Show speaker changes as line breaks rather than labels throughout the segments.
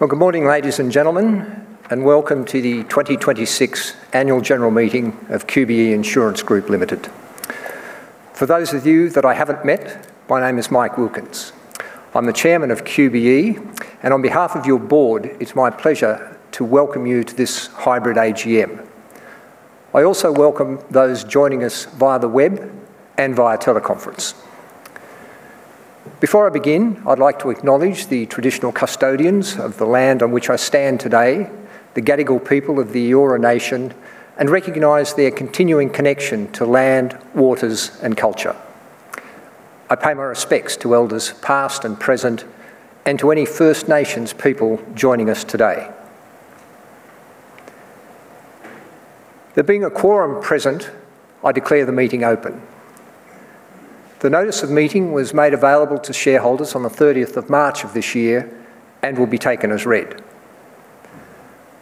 Well, good morning, ladies and gentlemen, welcome to the 2026 Annual General Meeting of QBE Insurance Group Limited. For those of you that I haven't met, my name is Mike Wilkins. I'm the Chairman of QBE, and on behalf of your board, it's my pleasure to welcome you to this hybrid AGM. I also welcome those joining us via the web and via teleconference. Before I begin, I'd like to acknowledge the traditional custodians of the land on which I stand today, the Gadigal people of the Eora Nation, and recognize their continuing connection to land, waters, and culture. I pay my respects to elders past and present and to any First Nations people joining us today. There being a quorum present, I declare the meeting open. The notice of meeting was made available to shareholders on the 30th of March of this year and will be taken as read.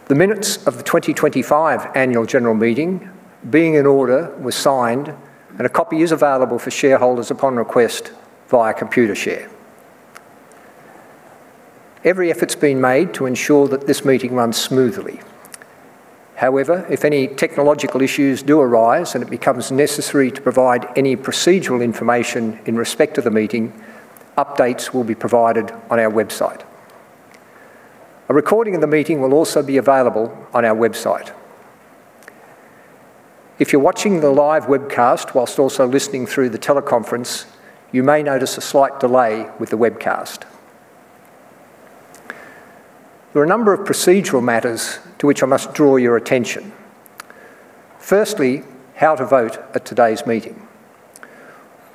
The minutes of the 2025 Annual General Meeting, being in order, was signed, and a copy is available for shareholders upon request via Computershare. Every effort's been made to ensure that this meeting runs smoothly. If any technological issues do arise, and it becomes necessary to provide any procedural information in respect to the meeting, updates will be provided on our website. A recording of the meeting will also be available on our website. If you're watching the live webcast whilst also listening through the teleconference, you may notice a slight delay with the webcast. There are a number of procedural matters to which I must draw your attention. Firstly, how to vote at today's meeting.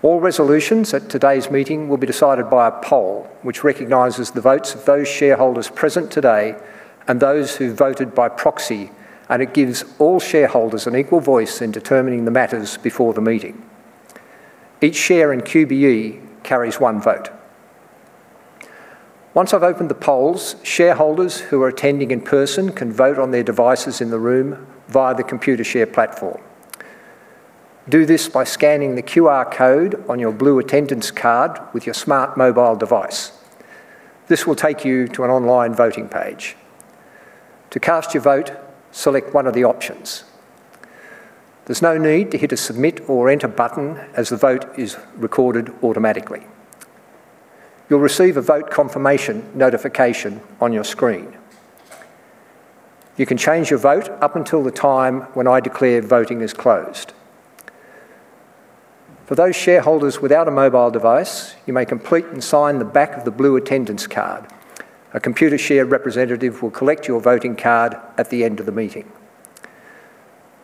All resolutions at today's meeting will be decided by a poll, which recognizes the votes of those shareholders present today and those who voted by proxy, and it gives all shareholders an equal voice in determining the matters before the meeting. Each share in QBE carries one vote. Once I've opened the polls, shareholders who are attending in person can vote on their devices in the room via the Computershare platform. Do this by scanning the QR code on your blue attendance card with your smart mobile device. This will take you to an online voting page. To cast your vote, select 1 of the options. There's no need to hit a submit or enter button as the vote is recorded automatically. You'll receive a vote confirmation notification on your screen. You can change your vote up until the time when I declare voting is closed. For those shareholders without a mobile device, you may complete and sign the back of the blue attendance card. A Computershare representative will collect your voting card at the end of the meeting.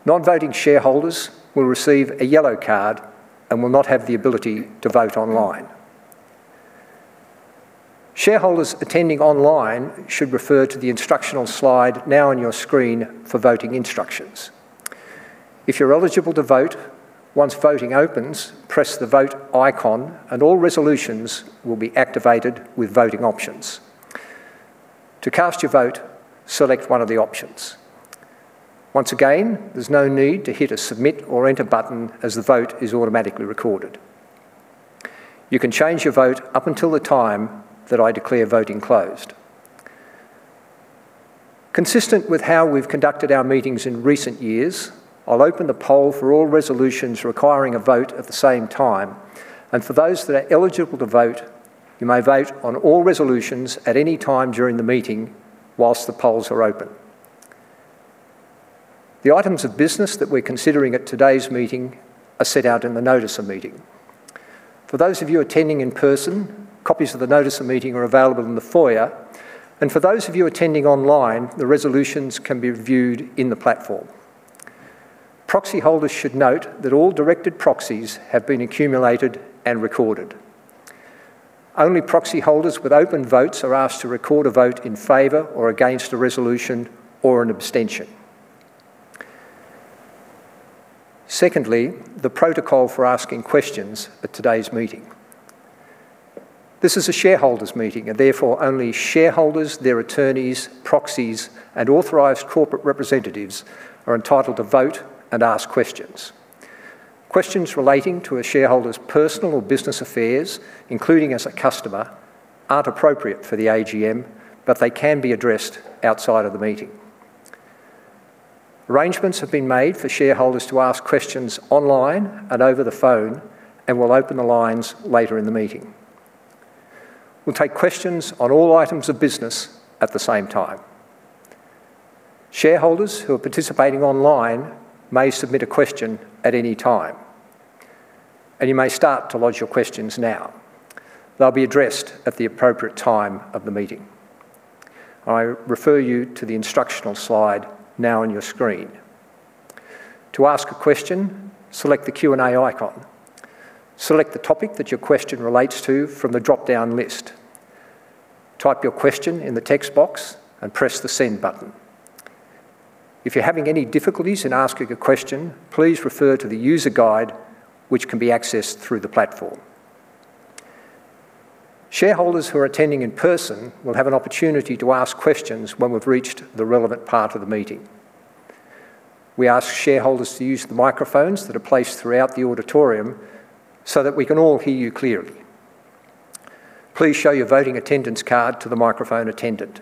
Non-voting shareholders will receive a yellow card and will not have the ability to vote online. Shareholders attending online should refer to the instructional slide now on your screen for voting instructions. If you're eligible to vote, once voting opens, press the vote icon, and all resolutions will be activated with voting options. To cast your vote, select one of the options. Once again, there's no need to hit a submit or enter button as the vote is automatically recorded. You can change your vote up until the time that I declare voting closed. Consistent with how we've conducted our meetings in recent years, I'll open the poll for all resolutions requiring a vote at the same time. For those that are eligible to vote, you may vote on all resolutions at any time during the meeting whilst the polls are open. The items of business that we're considering at today's meeting are set out in the notice of meeting. For those of you attending in person, copies of the notice of meeting are available in the foyer. For those of you attending online, the resolutions can be viewed in the platform. Proxy holders should note that all directed proxies have been accumulated and recorded. Only proxy holders with open votes are asked to record a vote in favor or against a resolution or an abstention. Secondly, the protocol for asking questions at today's meeting. This is a shareholders' meeting. Therefore, only shareholders, their attorneys, proxies, and authorized corporate representatives are entitled to vote and ask questions. Questions relating to a shareholder's personal or business affairs, including as a customer, aren't appropriate for the AGM. They can be addressed outside of the meeting. Arrangements have been made for shareholders to ask questions online and over the phone. We'll open the lines later in the meeting. We'll take questions on all items of business at the same time. Shareholders who are participating online may submit a question at any time. You may start to lodge your questions now. They'll be addressed at the appropriate time of the meeting. I refer you to the instructional slide now on your screen. To ask a question, select the Q&A icon. Select the topic that your question relates to from the dropdown list. Type your question in the text box and press the send button. If you're having any difficulties in asking a question, please refer to the user guide, which can be accessed through the platform. Shareholders who are attending in person will have an opportunity to ask questions when we've reached the relevant part of the meeting. We ask shareholders to use the microphones that are placed throughout the auditorium so that we can all hear you clearly. Please show your voting attendance card to the microphone attendant.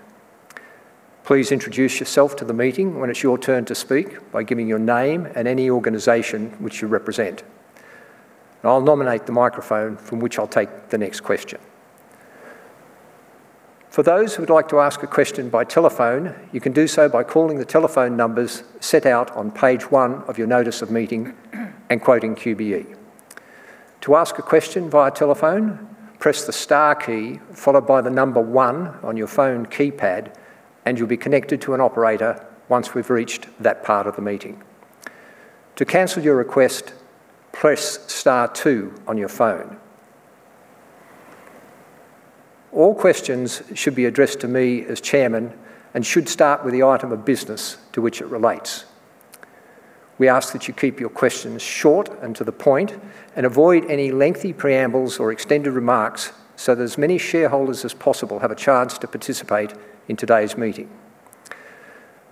Please introduce yourself to the meeting when it's your turn to speak by giving your name and any organization which you represent. I'll nominate the microphone from which I'll take the next question. For those who would like to ask a question by telephone, you can do so by calling the telephone numbers set out on page 1 of your notice of meeting and quoting QBE. To ask a question via telephone, press the star key followed by the number 1 on your phone keypad, and you'll be connected to an operator once we've reached that part of the meeting. To cancel your request, press star two on your phone. All questions should be addressed to me as Chairman and should start with the item of business to which it relates. We ask that you keep your questions short and to the point and avoid any lengthy preambles or extended remarks so that as many shareholders as possible have a chance to participate in today's meeting.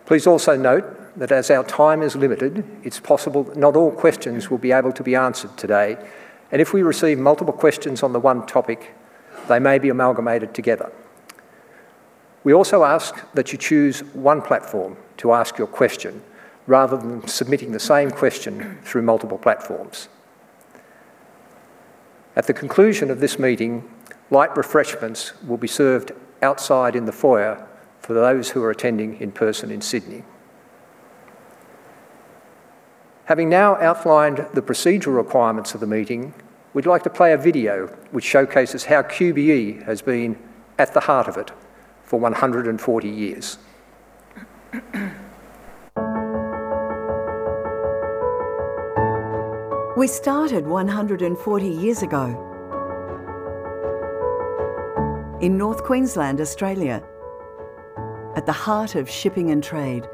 Please also note that as our time is limited, it's possible not all questions will be able to be answered today. If we receive multiple questions on the one topic, they may be amalgamated together. We also ask that you choose one platform to ask your question rather than submitting the same question through multiple platforms. At the conclusion of this meeting, light refreshments will be served outside in the foyer for those who are attending in person in Sydney. Having now outlined the procedural requirements of the meeting, we'd like to play a video which showcases how QBE has been at the heart of it for 140 years.
We started 140 years ago in North Queensland, Australia, at the heart of shipping and trade,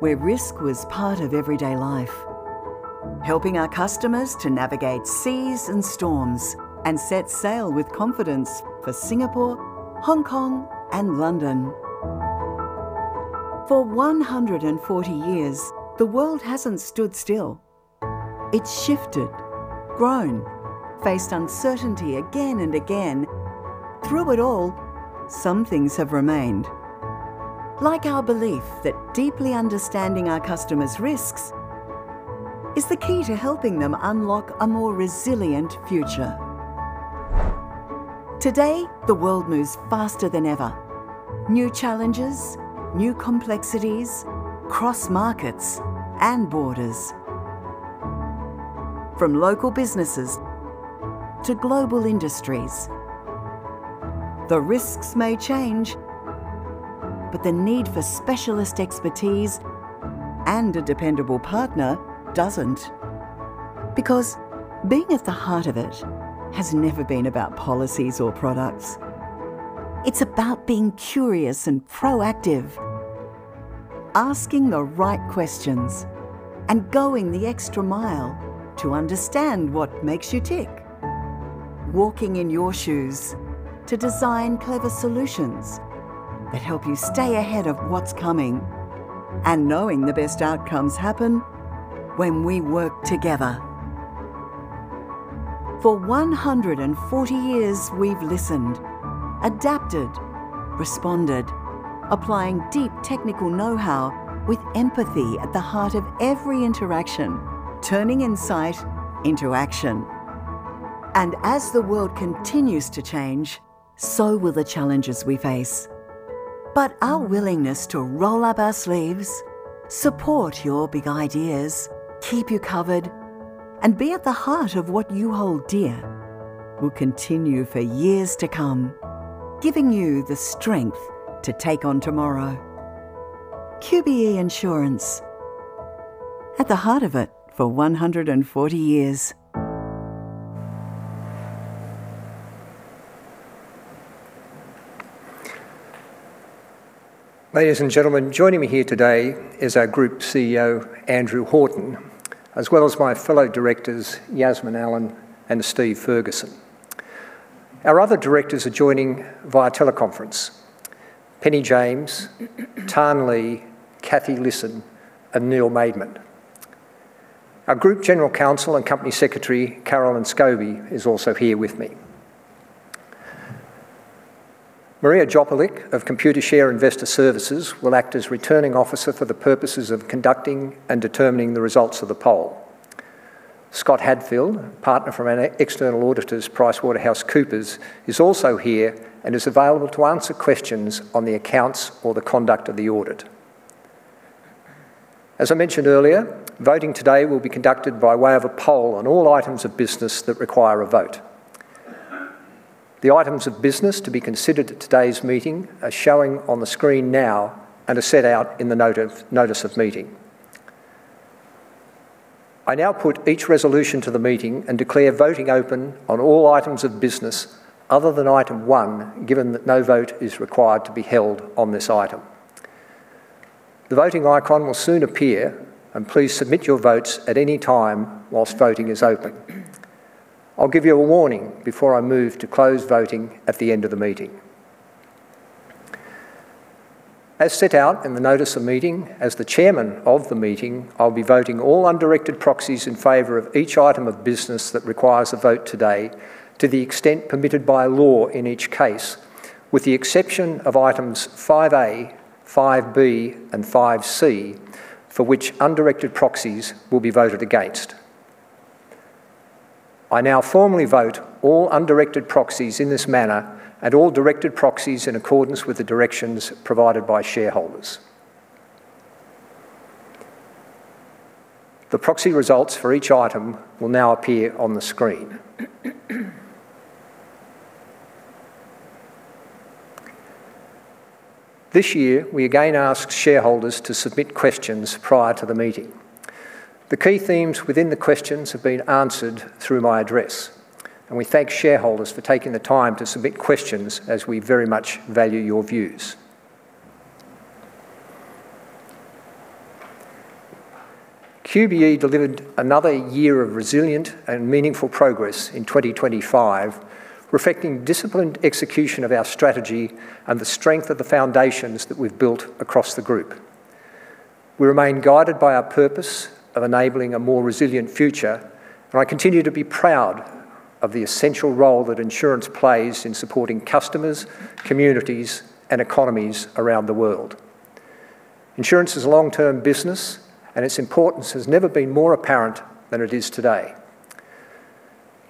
where risk was part of everyday life. Helping our customers to navigate seas and storms and set sail with confidence for Singapore, Hong Kong, and London. For 140 years, the world hasn't stood still. It's shifted, grown, faced uncertainty again and again. Through it all, some things have remained. Like our belief that deeply understanding our customers' risks is the key to helping them unlock a more resilient future. Today, the world moves faster than ever. New challenges, new complexities cross markets and borders. From local businesses to global industries. The risks may change, but the need for specialist expertise and a dependable partner doesn't. Because being at the heart of it has never been about policies or products. It's about being curious and proactive, asking the right questions, and going the extra mile to understand what makes you tick. Walking in your shoes to design clever solutions that help you stay ahead of what's coming and knowing the best outcomes happen when we work together. For 140 years, we've listened, adapted, responded, applying deep technical know-how with empathy at the heart of every interaction, turning insight into action. As the world continues to change, so will the challenges we face. Our willingness to roll up our sleeves, support your big ideas, keep you covered, and be at the heart of what you hold dear will continue for years to come, giving you the strength to take on tomorrow. QBE Insurance, at the heart of it for 140 years.
Ladies and gentlemen, joining me here today is our Group CEO, Andrew Horton, as well as my fellow directors, Yasmin Allen and Steve Ferguson. Our other directors are joining via teleconference, Penny James, Tan Le, Kathy Lisson, and Neil Maidment. Our Group General Counsel and Company Secretary, Carolyn Scobie, is also here with me. Maria Jopalik of Computershare Investor Services will act as Returning Officer for the purposes of conducting and determining the results of the poll. Scott Hadfield, partner from our external auditors, PricewaterhouseCoopers, is also here and is available to answer questions on the accounts or the conduct of the audit. As I mentioned earlier, voting today will be conducted by way of a poll on all items of business that require a vote. The items of business to be considered at today's meeting are showing on the screen now and are set out in the note of notice of meeting. I now put each resolution to the meeting and declare voting open on all items of business other than item 1, given that no vote is required to be held on this item. The voting icon will soon appear, please submit your votes at any time whilst voting is open. I'll give you a warning before I move to close voting at the end of the meeting. As set out in the notice of meeting, as the Chairman of the meeting, I'll be voting all undirected proxies in favor of each item of business that requires a vote today to the extent permitted by law in each case, with the exception of items 5A, 5B, and 5C, for which undirected proxies will be voted against. I now formally vote all undirected proxies in this manner and all directed proxies in accordance with the directions provided by shareholders. The proxy results for each item will now appear on the screen. This year, we again asked shareholders to submit questions prior to the meeting. The key themes within the questions have been answered through my address, and we thank shareholders for taking the time to submit questions as we very much value your views. QBE delivered another year of resilient and meaningful progress in 2025, reflecting disciplined execution of our strategy and the strength of the foundations that we've built across the group. We remain guided by our purpose of enabling a more resilient future, and I continue to be proud of the essential role that insurance plays in supporting customers, communities, and economies around the world. Insurance is a long-term business, and its importance has never been more apparent than it is today.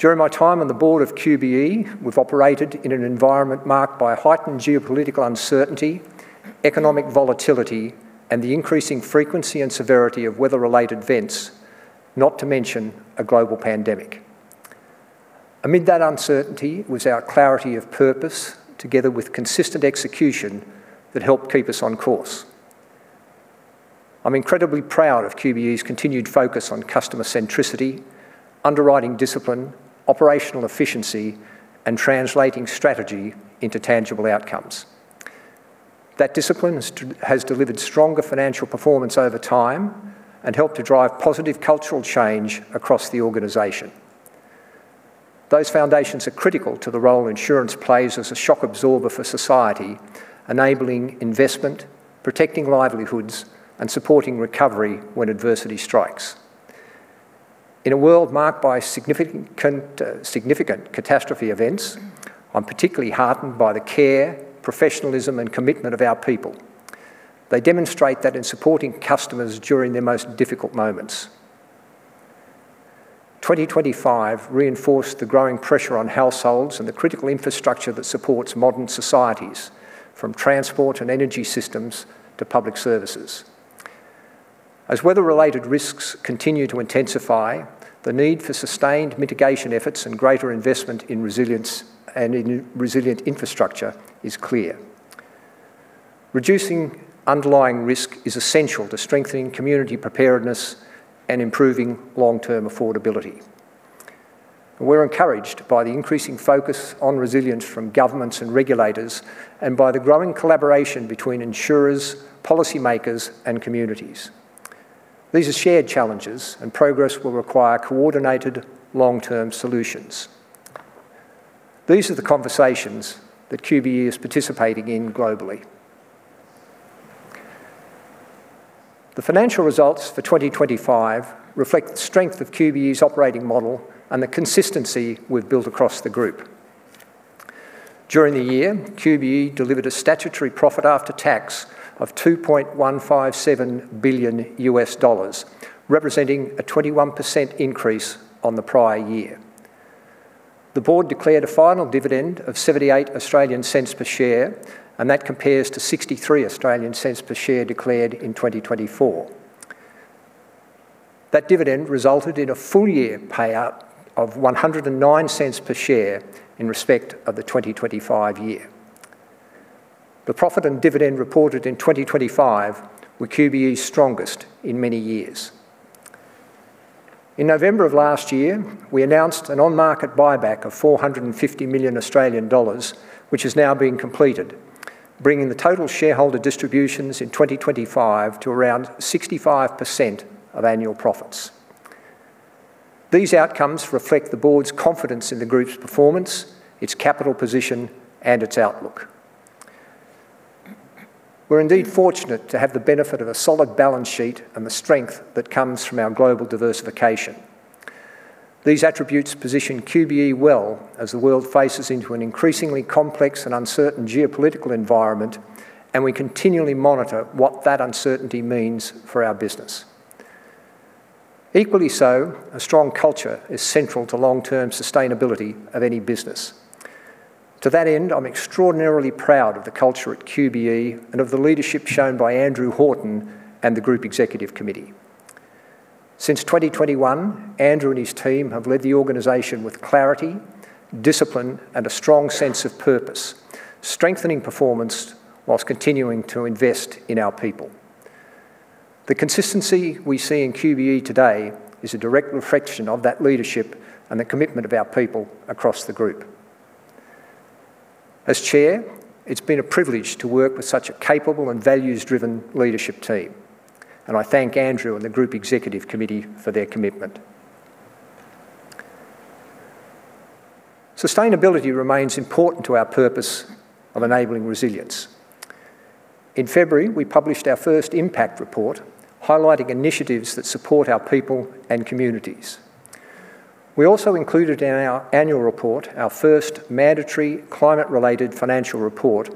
During my time on the board of QBE, we've operated in an environment marked by heightened geopolitical uncertainty, economic volatility, and the increasing frequency and severity of weather-related events, not to mention a global pandemic. Amid that uncertainty was our clarity of purpose together with consistent execution that helped keep us on course. I'm incredibly proud of QBE's continued focus on customer centricity, underwriting discipline, operational efficiency, and translating strategy into tangible outcomes. That discipline has delivered stronger financial performance over time and helped to drive positive cultural change across the organization. Those foundations are critical to the role insurance plays as a shock absorber for society, enabling investment, protecting livelihoods, and supporting recovery when adversity strikes. In a world marked by significant catastrophe events, I'm particularly heartened by the care, professionalism, and commitment of our people. They demonstrate that in supporting customers during their most difficult moments. 2025 reinforced the growing pressure on households and the critical infrastructure that supports modern societies, from transport and energy systems to public services. As weather-related risks continue to intensify, the need for sustained mitigation efforts and greater investment in resilience and in resilient infrastructure is clear. Reducing underlying risk is essential to strengthening community preparedness and improving long-term affordability. We're encouraged by the increasing focus on resilience from governments and regulators and by the growing collaboration between insurers, policy makers, and communities. These are shared challenges, and progress will require coordinated long-term solutions. These are the conversations that QBE is participating in globally. The financial results for 2025 reflect the strength of QBE's operating model and the consistency we've built across the group. During the year, QBE delivered a statutory profit after tax of $2.157 billion, representing a 21% increase on the prior year. The board declared a final dividend of 0.78 per share, and that compares to 0.63 per share declared in 2024. That dividend resulted in a full-year payout of 1.09 per share in respect of the 2025 year. The profit and dividend reported in 2025 were QBE's strongest in many years. In November of last year, we announced an on-market buyback of 450 million Australian dollars, which has now been completed, bringing the total shareholder distributions in 2025 to around 65% of annual profits. These outcomes reflect the board's confidence in the group's performance, its capital position, and its outlook. We're indeed fortunate to have the benefit of a solid balance sheet and the strength that comes from our global diversification. These attributes position QBE well as the world faces into an increasingly complex and uncertain geopolitical environment, and we continually monitor what that uncertainty means for our business. Equally so, a strong culture is central to long-term sustainability of any business. To that end, I'm extraordinarily proud of the culture at QBE and of the leadership shown by Andrew Horton and the Group Executive Committee. Since 2021, Andrew and his team have led the organization with clarity, discipline, and a strong sense of purpose, strengthening performance while continuing to invest in our people. The consistency we see in QBE today is a direct reflection of that leadership and the commitment of our people across the group. As chair, it's been a privilege to work with such a capable and values-driven leadership team. I thank Andrew and the group executive committee for their commitment. Sustainability remains important to our purpose of enabling resilience. In February, we published our first impact report highlighting initiatives that support our people and communities. We also included in our annual report our first mandatory climate-related financial report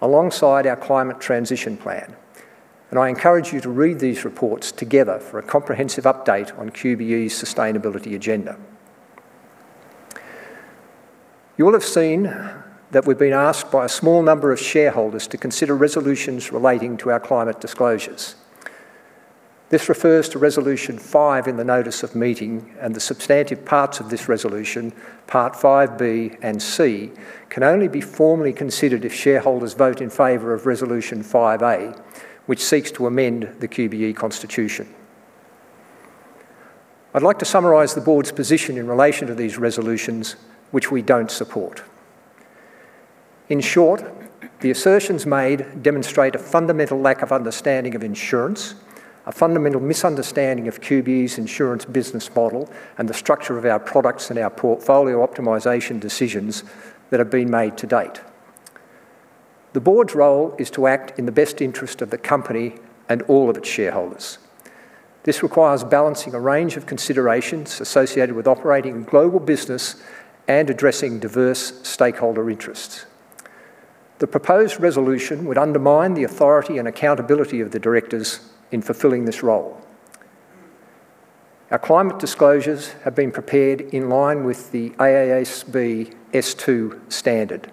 alongside our climate transition plan. I encourage you to read these reports together for a comprehensive update on QBE's sustainability agenda. You will have seen that we've been asked by a small number of shareholders to consider resolutions relating to our climate disclosures. This refers to resolution 5 in the notice of meeting and the substantive parts of this resolution, part 5B and C, can only be formally considered if shareholders vote in favor of resolution 5A, which seeks to amend the QBE constitution. I'd like to summarize the board's position in relation to these resolutions, which we don't support. In short, the assertions made demonstrate a fundamental lack of understanding of insurance, a fundamental misunderstanding of QBE's insurance business model, and the structure of our products and our portfolio optimization decisions that have been made to date. The board's role is to act in the best interest of the company and all of its shareholders. This requires balancing a range of considerations associated with operating global business and addressing diverse stakeholder interests. The proposed resolution would undermine the authority and accountability of the directors in fulfilling this role. Our climate disclosures have been prepared in line with the AASB S2 standard.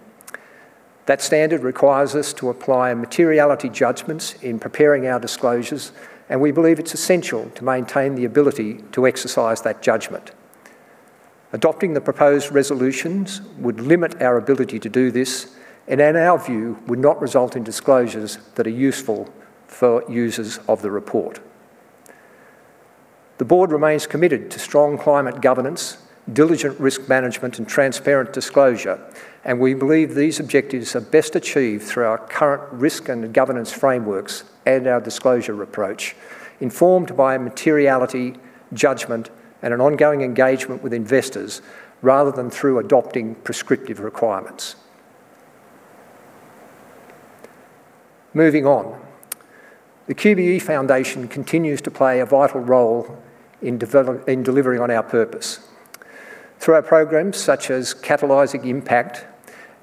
That standard requires us to apply materiality judgments in preparing our disclosures, and we believe it's essential to maintain the ability to exercise that judgment. Adopting the proposed resolutions would limit our ability to do this, and in our view, would not result in disclosures that are useful for users of the report. The board remains committed to strong climate governance, diligent risk management, and transparent disclosure, and we believe these objectives are best achieved through our current risk and governance frameworks and our disclosure approach, informed by a materiality judgment and an ongoing engagement with investors rather than through adopting prescriptive requirements. Moving on. The QBE Foundation continues to play a vital role in delivering on our purpose. Through our programs such as Catalyzing Impact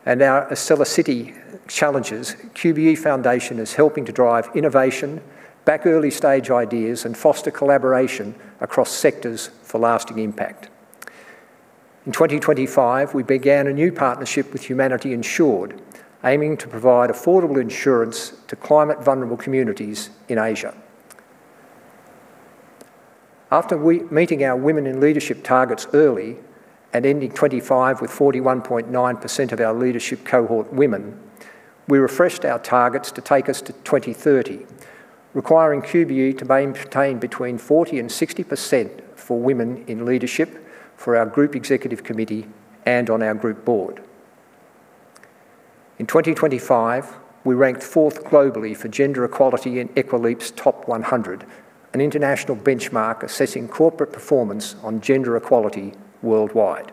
and our AcceliCity Challenges, QBE Foundation is helping to drive innovation, back early stage ideas, and foster collaboration across sectors for lasting impact. In 2025, we began a new partnership with Humanity Insured, aiming to provide affordable insurance to climate-vulnerable communities in Asia. After meeting our women in leadership targets early and ending 2025 with 41.9% of our leadership cohort women, we refreshed our targets to take us to 2030, requiring QBE to maintain between 40% and 60% for women in leadership for our group executive committee and on our group board. In 2025, we ranked fourth globally for gender equality in Equileap's top 100, an international benchmark assessing corporate performance on gender equality worldwide.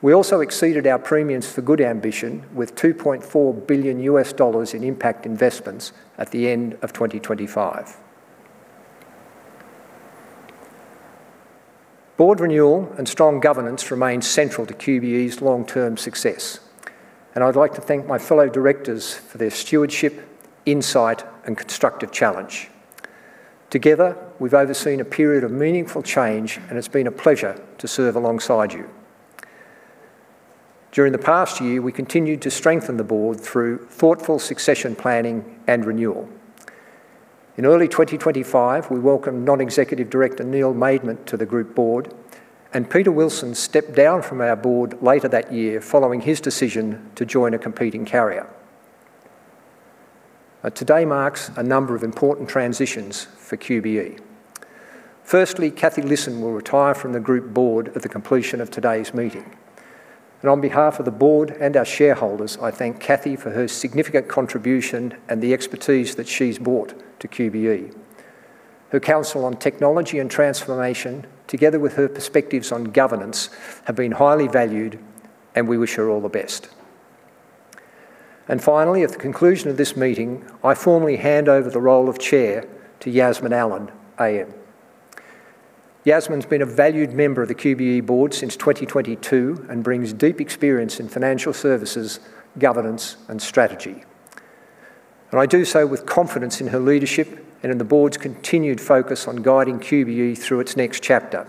We also exceeded our Premiums4Good ambition with $2.4 billion in impact investments at the end of 2025. Board renewal and strong governance remains central to QBE's long-term success, I'd like to thank my fellow directors for their stewardship, insight, and constructive challenge. Together, we've overseen a period of meaningful change, it's been a pleasure to serve alongside you. During the past year, we continued to strengthen the board through thoughtful succession planning and renewal. In early 2025, we welcomed Non-Executive Director Neil Maidment to the group board, Peter Wilson stepped down from our board later that year following his decision to join a competing carrier. Today marks a number of important transitions for QBE. Firstly, Kathy Lisson will retire from the group board at the completion of today's meeting. On behalf of the board and our shareholders, I thank Kathy for her significant contribution and the expertise that she's brought to QBE. Her counsel on technology and transformation, together with her perspectives on governance, have been highly valued, and we wish her all the best. Finally, at the conclusion of this meeting, I formally hand over the role of Chair to Yasmin Allen AM. Yasmin's been a valued member of the QBE board since 2022 and brings deep experience in financial services, governance, and strategy. I do so with confidence in her leadership and in the board's continued focus on guiding QBE through its next chapter,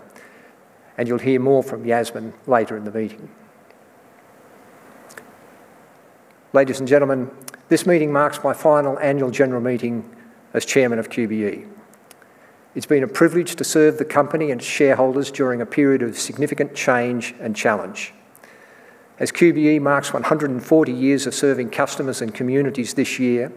and you'll hear more from Yasmin later in the meeting. Ladies and gentlemen, this meeting marks my final annual general meeting as Chairman of QBE. It's been a privilege to serve the company and shareholders during a period of significant change and challenge. As QBE marks 140 years of serving customers and communities this year,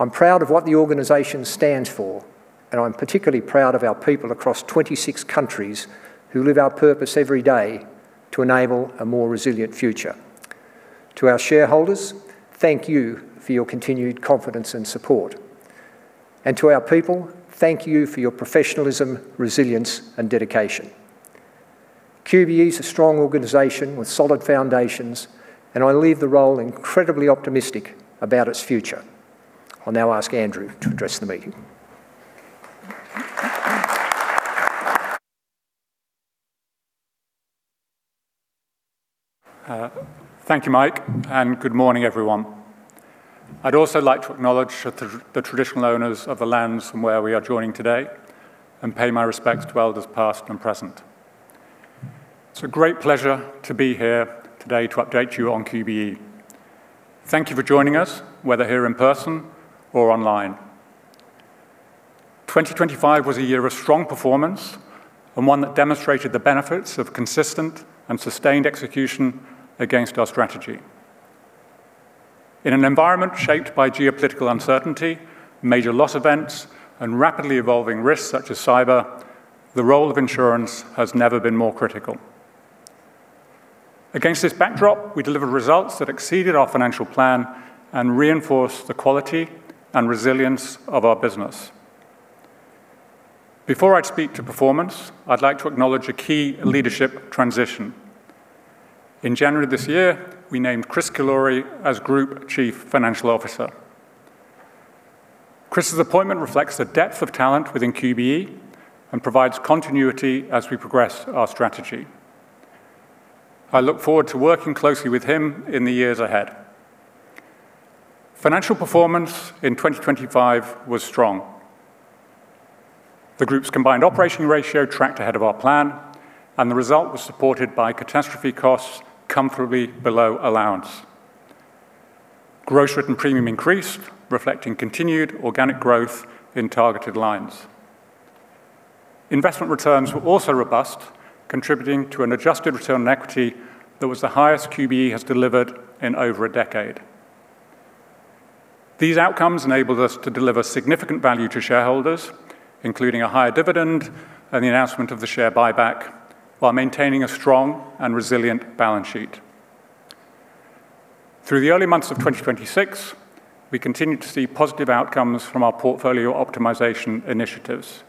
I'm proud of what the organization stands for. I'm particularly proud of our people across 26 countries who live our purpose every day to enable a more resilient future. To our shareholders, thank you for your continued confidence and support. To our people, thank you for your professionalism, resilience, and dedication. QBE is a strong organization with solid foundations. I leave the role incredibly optimistic about its future. I'll now ask Andrew to address the meeting.
Thank you, Mike. Good morning, everyone. I'd also like to acknowledge the traditional owners of the lands from where we are joining today and pay my respects to elders past and present. It's a great pleasure to be here today to update you on QBE. Thank you for joining us, whether here in person or online. 2025 was a year of strong performance and one that demonstrated the benefits of consistent and sustained execution against our strategy. In an environment shaped by geopolitical uncertainty, major loss events, and rapidly evolving risks such as cyber, the role of insurance has never been more critical. Against this backdrop, we delivered results that exceeded our financial plan and reinforced the quality and resilience of our business. Before I speak to performance, I'd like to acknowledge a key leadership transition. In January this year, we named Chris Killourhy as Group Chief Financial Officer. Chris's appointment reflects the depth of talent within QBE and provides continuity as we progress our strategy. I look forward to working closely with him in the years ahead. Financial performance in 2025 was strong. The group's combined operating ratio tracked ahead of our plan, and the result was supported by catastrophe costs comfortably below allowance. gross written premium increased, reflecting continued organic growth in targeted lines. Investment returns were also robust, contributing to an adjusted return on equity that was the highest QBE has delivered in over a decade. These outcomes enabled us to deliver significant value to shareholders, including a higher dividend and the announcement of the share buyback, while maintaining a strong and resilient balance sheet. Through the early months of 2026, we continued to see positive outcomes from our portfolio optimization initiatives.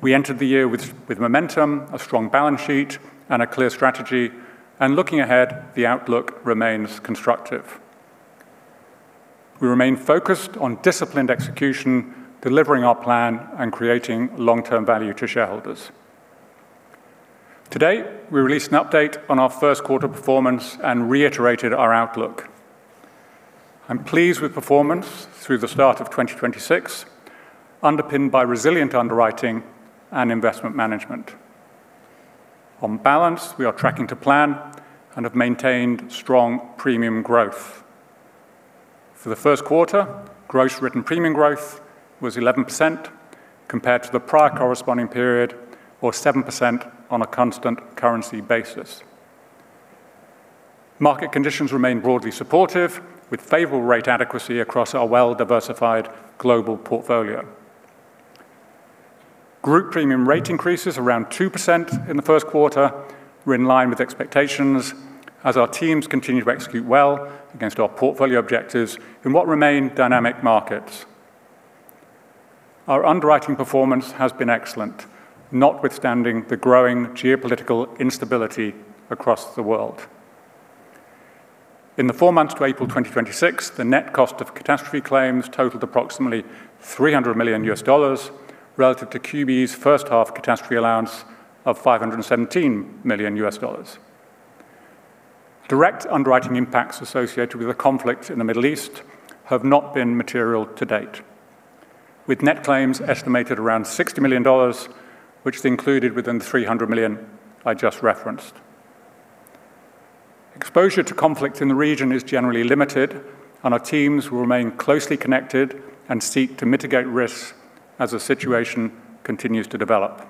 We entered the year with momentum, a strong balance sheet, and a clear strategy. Looking ahead, the outlook remains constructive. We remain focused on disciplined execution, delivering our plan, and creating long-term value to shareholders. Today, we released an update on our first quarter performance and reiterated our outlook. I'm pleased with performance through the start of 2026, underpinned by resilient underwriting and investment management. On balance, we are tracking to plan and have maintained strong premium growth. For the first quarter, gross written premium growth was 11% compared to the prior corresponding period or 7% on a constant currency basis. Market conditions remain broadly supportive with favorable rate adequacy across our well-diversified global portfolio. Group premium rate increases around 2% in the first quarter were in line with expectations as our teams continued to execute well against our portfolio objectives in what remain dynamic markets. Our underwriting performance has been excellent, notwithstanding the growing geopolitical instability across the world. In the four months to April 2026, the net cost of catastrophe claims totaled approximately $300 million relative to QBE's first half catastrophe allowance of $517 million. Direct underwriting impacts associated with the conflict in the Middle East have not been material to date, with net claims estimated around $60 million, which is included within the $300 million I just referenced. Exposure to conflict in the region is generally limited, and our teams will remain closely connected and seek to mitigate risks as the situation continues to develop.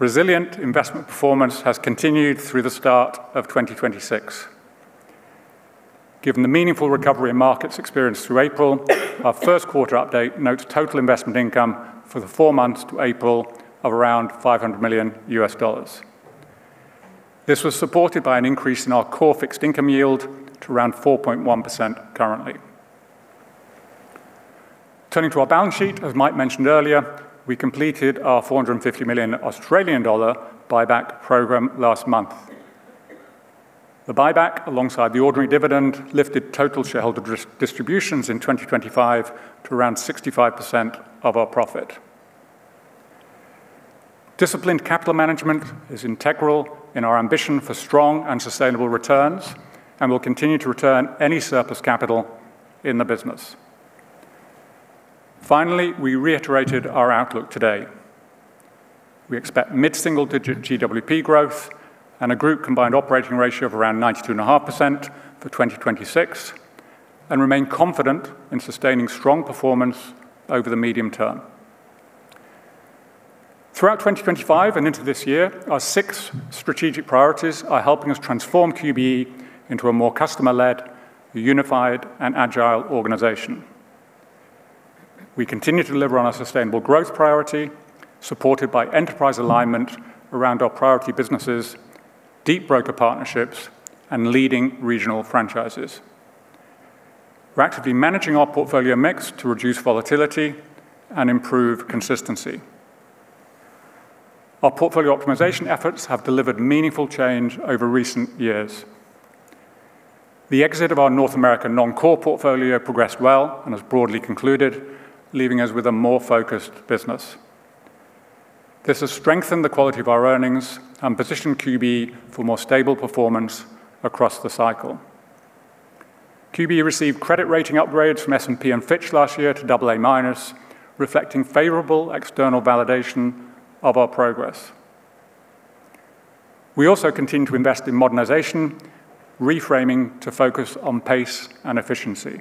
Resilient investment performance has continued through the start of 2026. Given the meaningful recovery in markets experienced through April, our first quarter update notes total investment income for the four months to April of around $500 million. This was supported by an increase in our core fixed income yield to around 4.1% currently. Turning to our balance sheet, as Mike mentioned earlier, we completed our 450 million Australian dollar buyback program last month. The buyback alongside the ordinary dividend lifted total shareholder distributions in 2025 to around 65% of our profit. Disciplined capital management is integral in our ambition for strong and sustainable returns. We'll continue to return any surplus capital in the business. We reiterated our outlook today. We expect mid-single-digit GWP growth and a group combined operating ratio of around 92.5% for 2026 and remain confident in sustaining strong performance over the medium term. Throughout 2025 and into this year, our SIX strategic priorities are helping us transform QBE into a more customer-led, unified, and agile organization. We continue to deliver on our sustainable growth priority, supported by enterprise alignment around our priority businesses, deep broker partnerships, and leading regional franchises. We're actively managing our portfolio mix to reduce volatility and improve consistency. Our portfolio optimization efforts have delivered meaningful change over recent years. The exit of our North American non-core portfolio progressed well and has broadly concluded, leaving us with a more focused business. This has strengthened the quality of our earnings and positioned QBE for more stable performance across the cycle. QBE received credit rating upgrades from S&P and Fitch last year to AA-, reflecting favorable external validation of our progress. We also continue to invest in modernization, reframing to focus on pace and efficiency.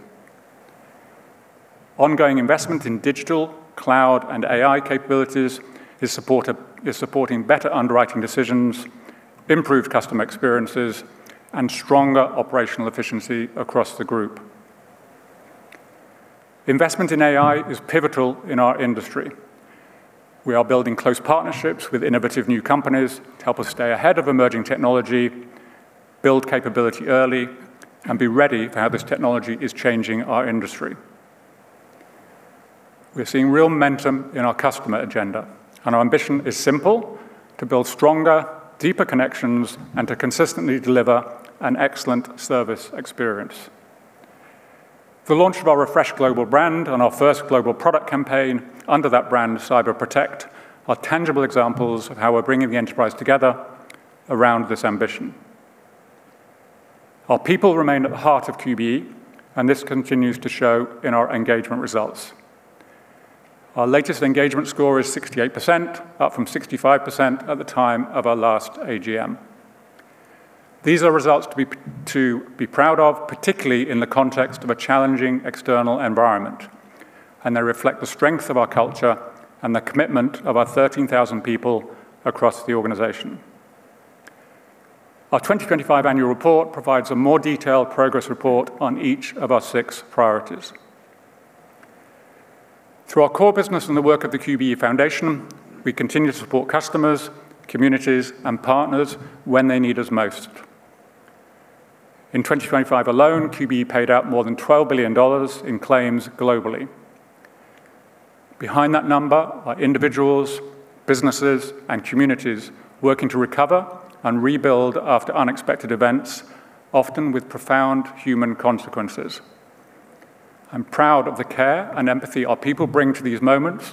Ongoing investment in digital, cloud, and AI capabilities is supporting better underwriting decisions, improved customer experiences, and stronger operational efficiency across the group. Investment in AI is pivotal in our industry. We are building close partnerships with innovative new companies to help us stay ahead of emerging technology, build capability early, and be ready for how this technology is changing our industry. We're seeing real momentum in our customer agenda, our ambition is simple, to build stronger, deeper connections and to consistently deliver an excellent service experience. The launch of our refreshed global brand and our first global product campaign under that brand, Cyber Protect, are tangible examples of how we're bringing the enterprise together around this ambition. Our people remain at the heart of QBE, and this continues to show in our engagement results. Our latest engagement score is 68%, up from 65% at the time of our last AGM. These are results to be proud of, particularly in the context of a challenging external environment, and they reflect the strength of our culture and the commitment of our 13,000 people across the organization. Our 2025 annual report provides a more detailed progress report on each of our six priorities. Through our core business and the work of the QBE Foundation, we continue to support customers, communities, and partners when they need us most. In 2025 alone, QBE paid out more than AUD 12 billion in claims globally. Behind that number are individuals, businesses, and communities working to recover and rebuild after unexpected events, often with profound human consequences. I'm proud of the care and empathy our people bring to these moments,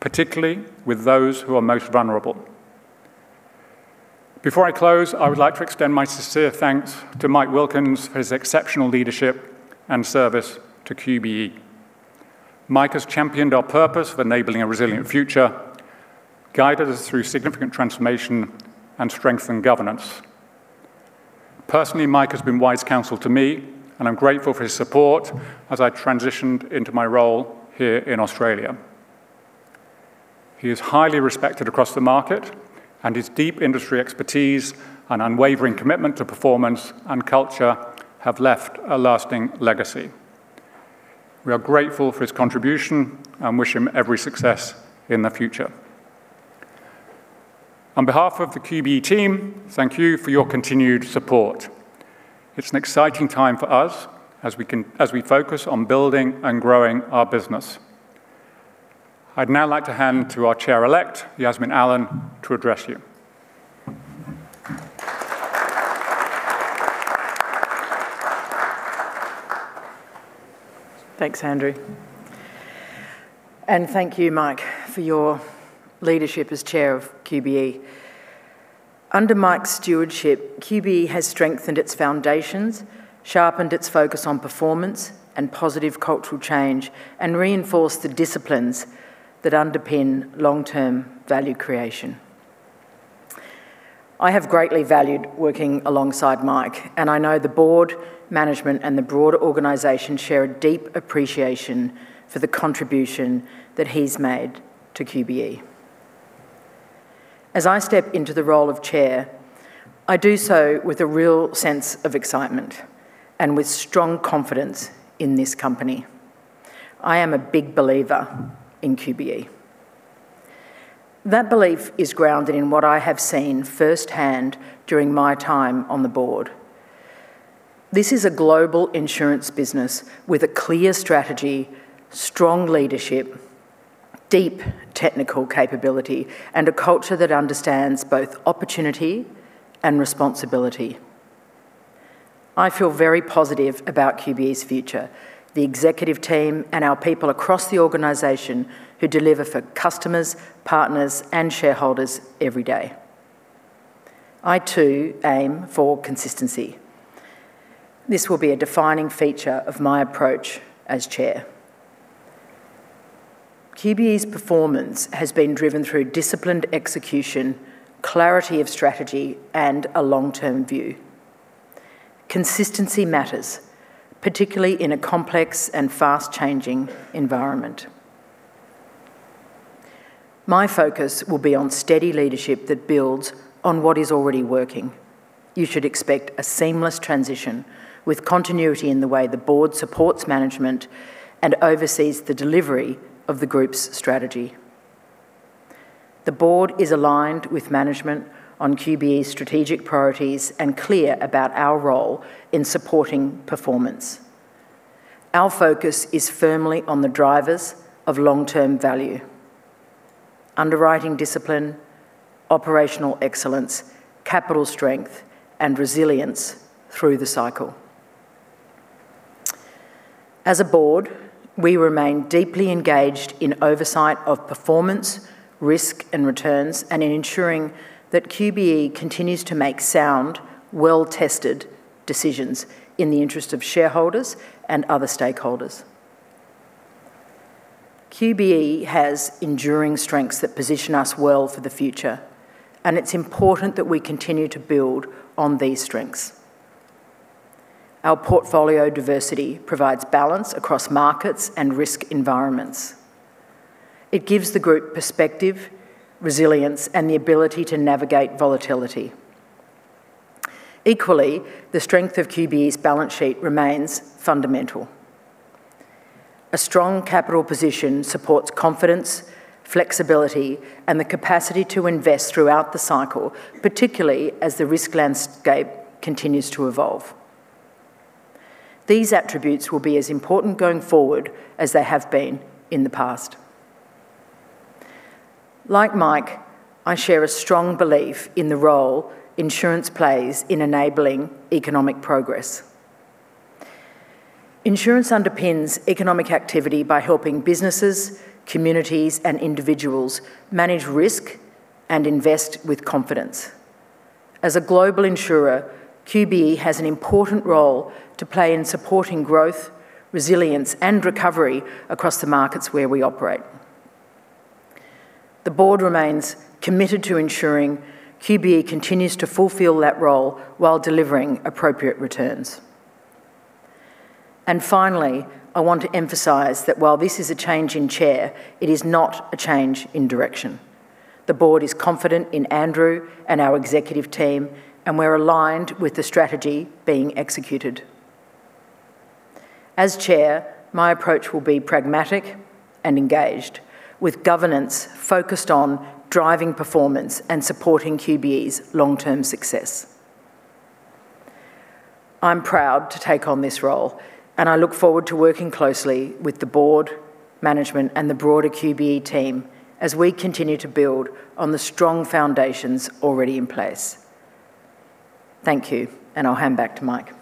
particularly with those who are most vulnerable. Before I close, I would like to extend my sincere thanks to Mike Wilkins for his exceptional leadership and service to QBE. Mike has championed our purpose of enabling a resilient future, guided us through significant transformation, and strengthened governance. Personally, Mike has been wise counsel to me, and I'm grateful for his support as I transitioned into my role here in Australia. He is highly respected across the market, and his deep industry expertise and unwavering commitment to performance and culture have left a lasting legacy. We are grateful for his contribution and wish him every success in the future. On behalf of the QBE team, thank you for your continued support. It's an exciting time for us as we focus on building and growing our business. I'd now like to hand to our chair-elect, Yasmin Allen, to address you.
Thanks, Andrew. Thank you, Mike, for your leadership as chair of QBE. Under Mike's stewardship, QBE has strengthened its foundations, sharpened its focus on performance and positive cultural change, and reinforced the disciplines that underpin long-term value creation. I have greatly valued working alongside Mike, and I know the board, management, and the broader organization share a deep appreciation for the contribution that he's made to QBE. As I step into the role of chair, I do so with a real sense of excitement and with strong confidence in this company. I am a big believer in QBE. That belief is grounded in what I have seen firsthand during my time on the board. This is a global insurance business with a clear strategy, strong leadership, deep technical capability, and a culture that understands both opportunity and responsibility. I feel very positive about QBE's future, the executive team, and our people across the organization who deliver for customers, partners, and shareholders every day. I too aim for consistency. This will be a defining feature of my approach as chair. QBE's performance has been driven through disciplined execution, clarity of strategy, and a long-term view. Consistency matters, particularly in a complex and fast-changing environment. My focus will be on steady leadership that builds on what is already working. You should expect a seamless transition with continuity in the way the board supports management and oversees the delivery of the group's strategy. The board is aligned with management on QBE's strategic priorities and clear about our role in supporting performance. Our focus is firmly on the drivers of long-term value, underwriting discipline, operational excellence, capital strength, and resilience through the cycle. As a board, we remain deeply engaged in oversight of performance, risk, and returns, and in ensuring that QBE continues to make sound, well-tested decisions in the interest of shareholders and other stakeholders. QBE has enduring strengths that position us well for the future, and it's important that we continue to build on these strengths. Our portfolio diversity provides balance across markets and risk environments. It gives the group perspective, resilience, and the ability to navigate volatility. Equally, the strength of QBE's balance sheet remains fundamental. A strong capital position supports confidence, flexibility, and the capacity to invest throughout the cycle, particularly as the risk landscape continues to evolve. These attributes will be as important going forward as they have been in the past. Like Mike, I share a strong belief in the role insurance plays in enabling economic progress. Insurance underpins economic activity by helping businesses, communities, and individuals manage risk and invest with confidence. As a global insurer, QBE has an important role to play in supporting growth, resilience, and recovery across the markets where we operate. The board remains committed to ensuring QBE continues to fulfill that role while delivering appropriate returns. Finally, I want to emphasize that while this is a change in chair, it is not a change in direction. The board is confident in Andrew and our executive team, and we're aligned with the strategy being executed. As chair, my approach will be pragmatic and engaged with governance focused on driving performance and supporting QBE's long-term success. I'm proud to take on this role, and I look forward to working closely with the board, management, and the broader QBE team as we continue to build on the strong foundations already in place. Thank you, and I'll hand back to Mike.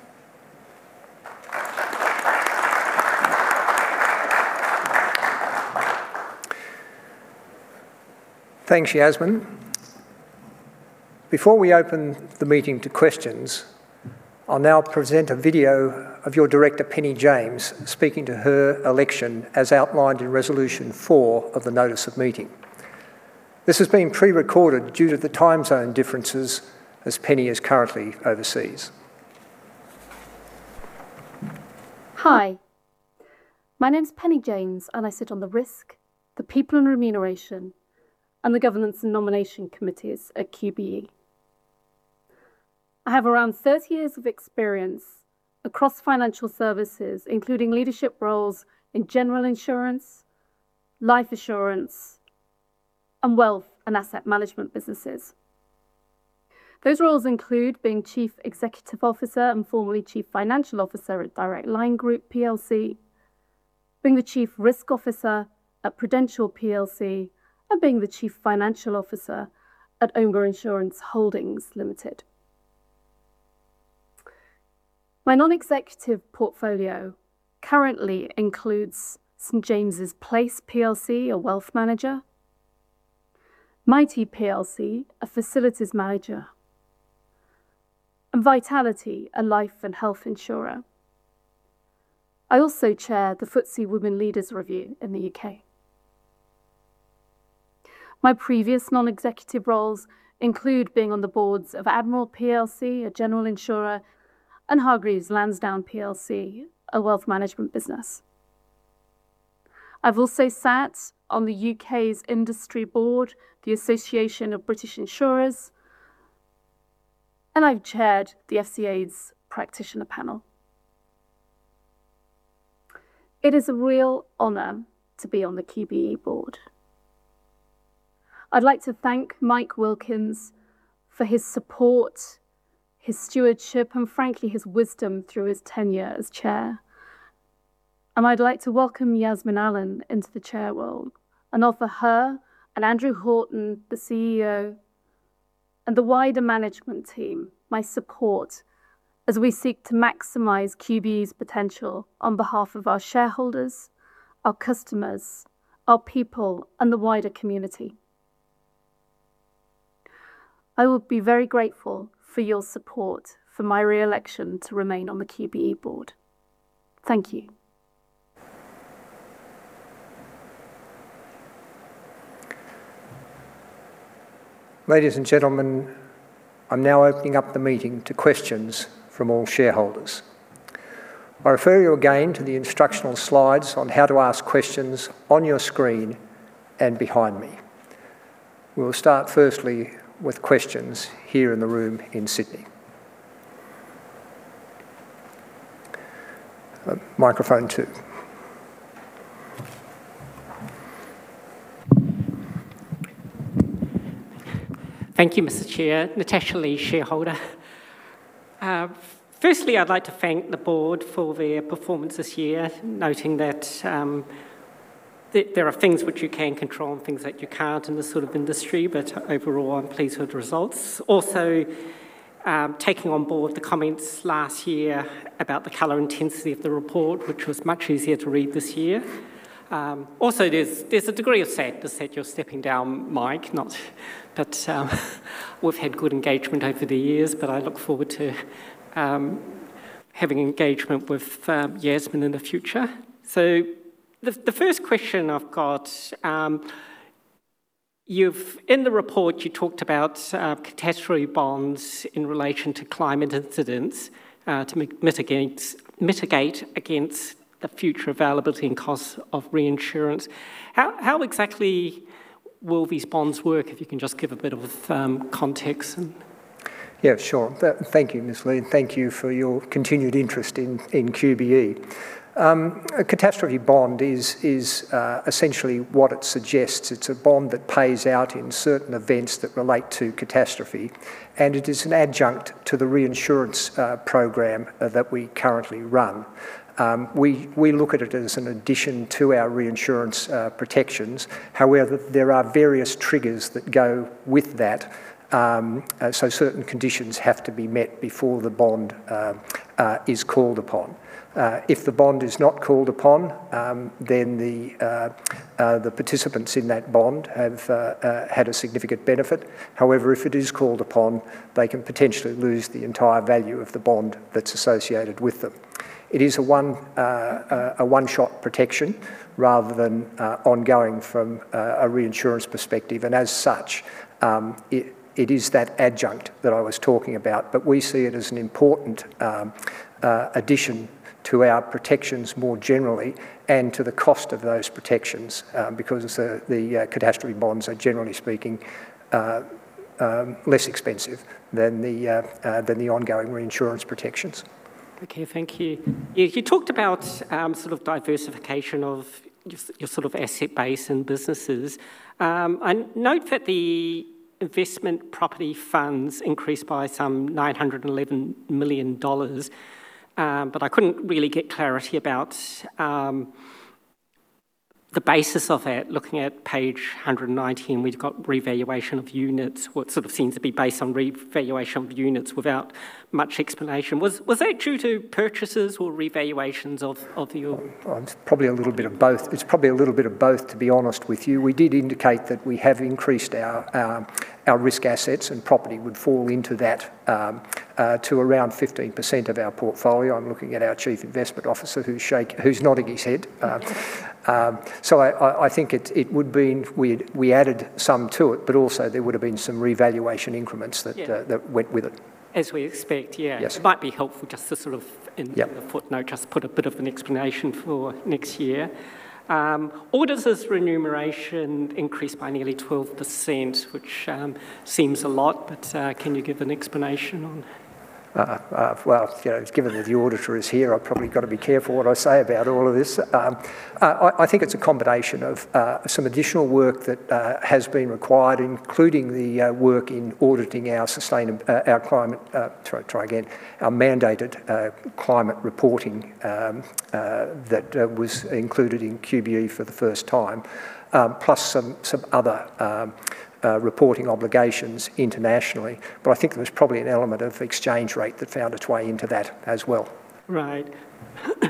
Thanks, Yasmin. Before we open the meeting to questions, I'll now present a video of your Director, Penny James, speaking to her election as outlined in resolution 4 of the notice of meeting. This has been pre-recorded due to the time zone differences as Penny is currently overseas.
Hi. My name's Penny James, and I sit on the risk, the people and remuneration, and the governance and nomination committees at QBE. I have around 30 years of experience across financial services, including leadership roles in general insurance, life assurance, and wealth and asset management businesses. Those roles include being Chief Executive Officer and formerly Chief Financial Officer at Direct Line Group PLC, being the Chief Risk Officer at Prudential PLC, and being the Chief Financial Officer at Omega Insurance Holdings Limited. My non-executive portfolio currently includes St. James's Place PLC, a wealth manager; Mitie PLC, a facilities manager, and Vitality, a life and health insurer. I also chair the FTSE Women Leaders Review in the U.K. My previous non-executive roles include being on the boards of Admiral PLC, a general insurer, and Hargreaves Lansdown PLC, a wealth management business. I've also sat on the U.K.'s industry board, the Association of British Insurers, and I've chaired the FCA's practitioner panel. It is a real honor to be on the QBE board. I'd like to thank Mike Wilkins for his support, his stewardship, and frankly, his wisdom through his tenure as chair. I'd like to welcome Yasmin Allen into the chair world and offer her and Andrew Horton, the CEO, and the wider management team my support as we seek to maximize QBE's potential on behalf of our shareholders, our customers, our people, and the wider community. I would be very grateful for your support for my re-election to remain on the QBE board. Thank you.
Ladies and gentlemen, I am now opening up the meeting to questions from all shareholders. I refer you again to the instructional slides on how to ask questions on your screen and behind me. We will start firstly with questions here in the room in Sydney. Microphone 2.
Thank you, Mr. Chair. Natasha Lee, shareholder. Firstly, I'd like to thank the board for their performance this year, noting that there are things which you can control and things that you can't in this sort of industry, but overall, I'm pleased with the results. Taking on board the comments last year about the color intensity of the report, which was much easier to read this year. There's a degree of sadness that you're stepping down, Mike. We've had good engagement over the years, but I look forward to having engagement with Yasmin in the future. The first question I've got, in the report, you talked about catastrophe bonds in relation to climate incidents to mitigate against the future availability and cost of reinsurance. How exactly will these bonds work, if you can just give a bit of context and
Yeah, sure. Thank you, Ms. Lee, and thank you for your continued interest in QBE. A catastrophe bond is essentially what it suggests. It's a bond that pays out in certain events that relate to catastrophe, it is an adjunct to the reinsurance program that we currently run. We look at it as an addition to our reinsurance protections. However, there are various triggers that go with that, certain conditions have to be met before the bond is called upon. If the bond is not called upon, the participants in that bond have had a significant benefit. However, if it is called upon, they can potentially lose the entire value of the bond that's associated with them. It is a one, a one-shot protection rather than ongoing from a reinsurance perspective, and as such, it is that adjunct that I was talking about. We see it as an important addition to our protections more generally and to the cost of those protections, because the catastrophe bonds are, generally speaking, less expensive than the ongoing reinsurance protections.
Okay, thank you. You talked about sort of diversification of your sort of asset base and businesses. I note that the investment property funds increased by some $911 million. I couldn't really get clarity about the basis of it. Looking at page 119, we've got revaluation of units, what sort of seems to be based on revaluation of units without much explanation. Was that due to purchases or revaluations of your?
Oh, it's probably a little bit of both. It's probably a little bit of both, to be honest with you. We did indicate that we have increased our risk assets, and property would fall into that, to around 15% of our portfolio. I'm looking at our chief investment officer who's nodding his head. I think it would been we added some to it, but also there would've been some revaluation increments.
Yeah.
That went with it.
As we expect, yeah.
Yes.
It might be helpful just to sort of. In a footnote just put a bit of an explanation for next year. Auditors' remuneration increased by nearly 12%, which seems a lot, but can you give an explanation on that?
Well, you know, given that the auditor is here, I've probably gotta be careful what I say about all of this. I think it's a combination of some additional work that has been required, including the work in auditing our mandated climate reporting that was included in QBE for the first time, plus some other reporting obligations internationally. I think there was probably an element of exchange rate that found its way into that as well.
Right. I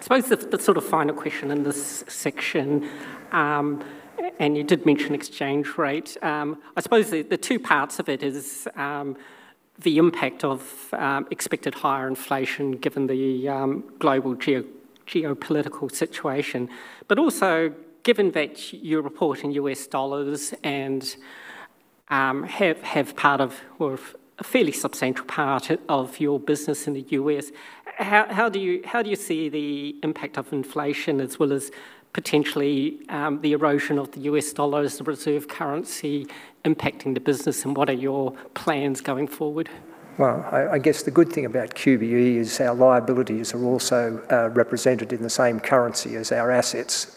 suppose the sort of final question in this section, and you did mention exchange rate. I suppose the two parts of it is the impact of expected higher inflation given the global geopolitical situation. Given that you report in USD and have part of or a fairly substantial part of your business in the U.S., how do you see the impact of inflation as well as potentially the erosion of the USD as the reserve currency impacting the business, and what are your plans going forward?
Well, I guess the good thing about QBE is our liabilities are also represented in the same currency as our assets,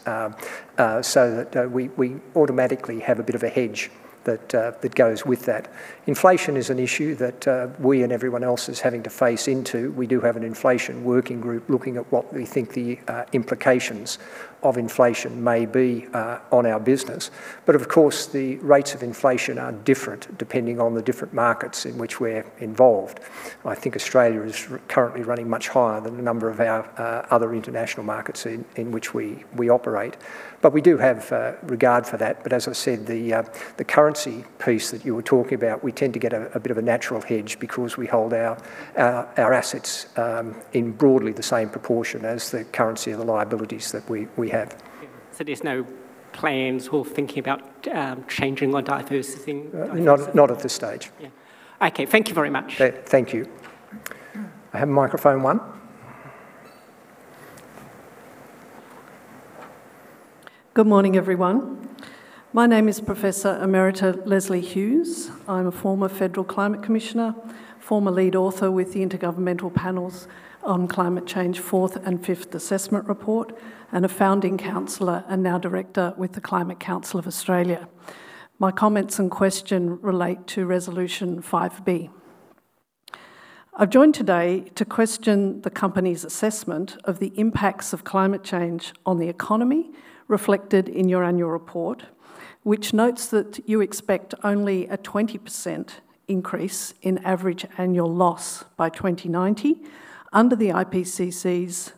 so that we automatically have a bit of a hedge that goes with that. Inflation is an issue that we and everyone else is having to face into. We do have an inflation working group looking at what we think the implications of inflation may be on our business. Of course, the rates of inflation are different depending on the different markets in which we're involved. I think Australia is currently running much higher than a number of our other international markets in which we operate. We do have regard for that. As I said, the currency piece that you were talking about, we tend to get a bit of a natural hedge because we hold our assets in broadly the same proportion as the currency and the liabilities that we have.
Yeah. There's no plans or thinking about changing or diversifying.
Not at this stage.
Yeah. Okay, thank you very much.
Thank you. I have microphone 1.
Good morning everyone. My name is Professor Emerita Lesley Hughes. I'm a former Federal Climate Commissioner, former lead author with the Intergovernmental Panel on Climate Change fourth and fifth assessment report, and a founding councilor and now director with the Climate Council of Australia. My comments and question relate to resolution 5B. I've joined today to question the company's assessment of the impacts of climate change on the economy reflected in your annual report, which notes that you expect only a 20% increase in average annual loss by 2090 under the IPCC's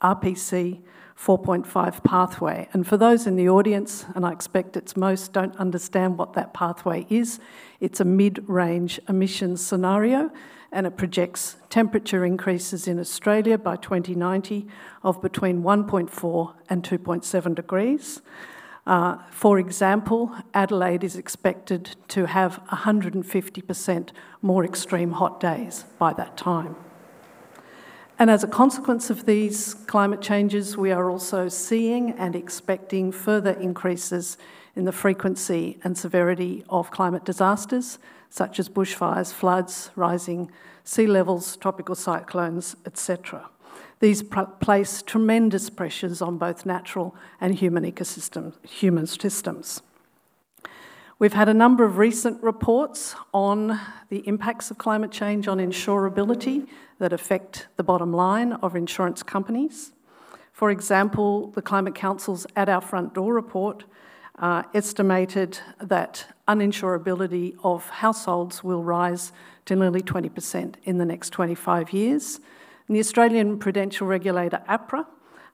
RCP 4.5 pathway. For those in the audience, and I expect it's most, don't understand what that pathway is. It's a mid-range emissions scenario, and it projects temperature increases in Australia by 2090 of between 1.4 and 2.7 degrees. For example, Adelaide is expected to have 150% more extreme hot days by that time. As a consequence of these climate changes, we are also seeing and expecting further increases in the frequency and severity of climate disasters such as bushfires, floods, rising sea levels, tropical cyclones, et cetera. These place tremendous pressures on both natural and human ecosystem, human systems. We've had a number of recent reports on the impacts of climate change on insurability that affect the bottom line of insurance companies. For example, the Climate Council's At Our Front Door report estimated that uninsurability of households will rise to nearly 20% in the next 25 years. The Australian Prudential Regulator, APRA,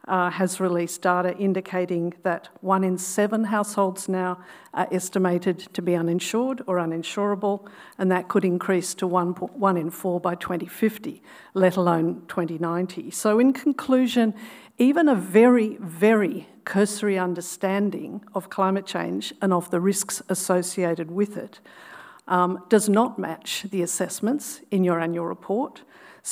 has released data indicating that 1 in 7 households now are estimated to be uninsured or uninsurable, and that could increase to 1 in 4 by 2050, let alone 2090. In conclusion, even a very, very cursory understanding of climate change and of the risks associated with it, does not match the assessments in your annual report.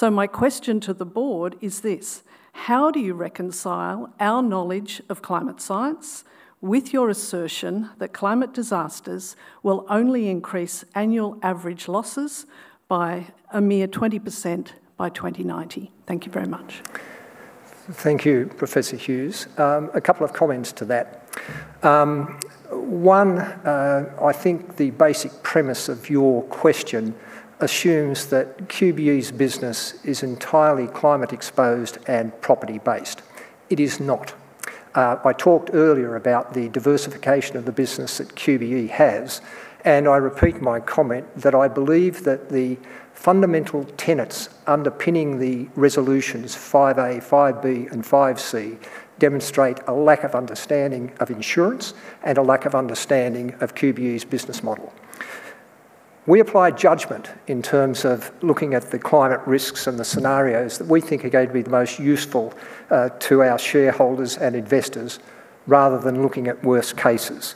My question to the board is this: how do you reconcile our knowledge of climate science with your assertion that climate disasters will only increase annual average losses by a mere 20% by 2090? Thank you very much.
Thank you, Professor Hughes. A couple of comments to that. I think the basic premise of your question assumes that QBE's business is entirely climate exposed and property based. It is not. I talked earlier about the diversification of the business that QBE has, and I repeat my comment that I believe that the fundamental tenets underpinning the resolutions 5A, 5B, and 5C demonstrate a lack of understanding of insurance and a lack of understanding of QBE's business model. We apply judgment in terms of looking at the climate risks and the scenarios that we think are going to be the most useful to our shareholders and investors rather than looking at worst cases.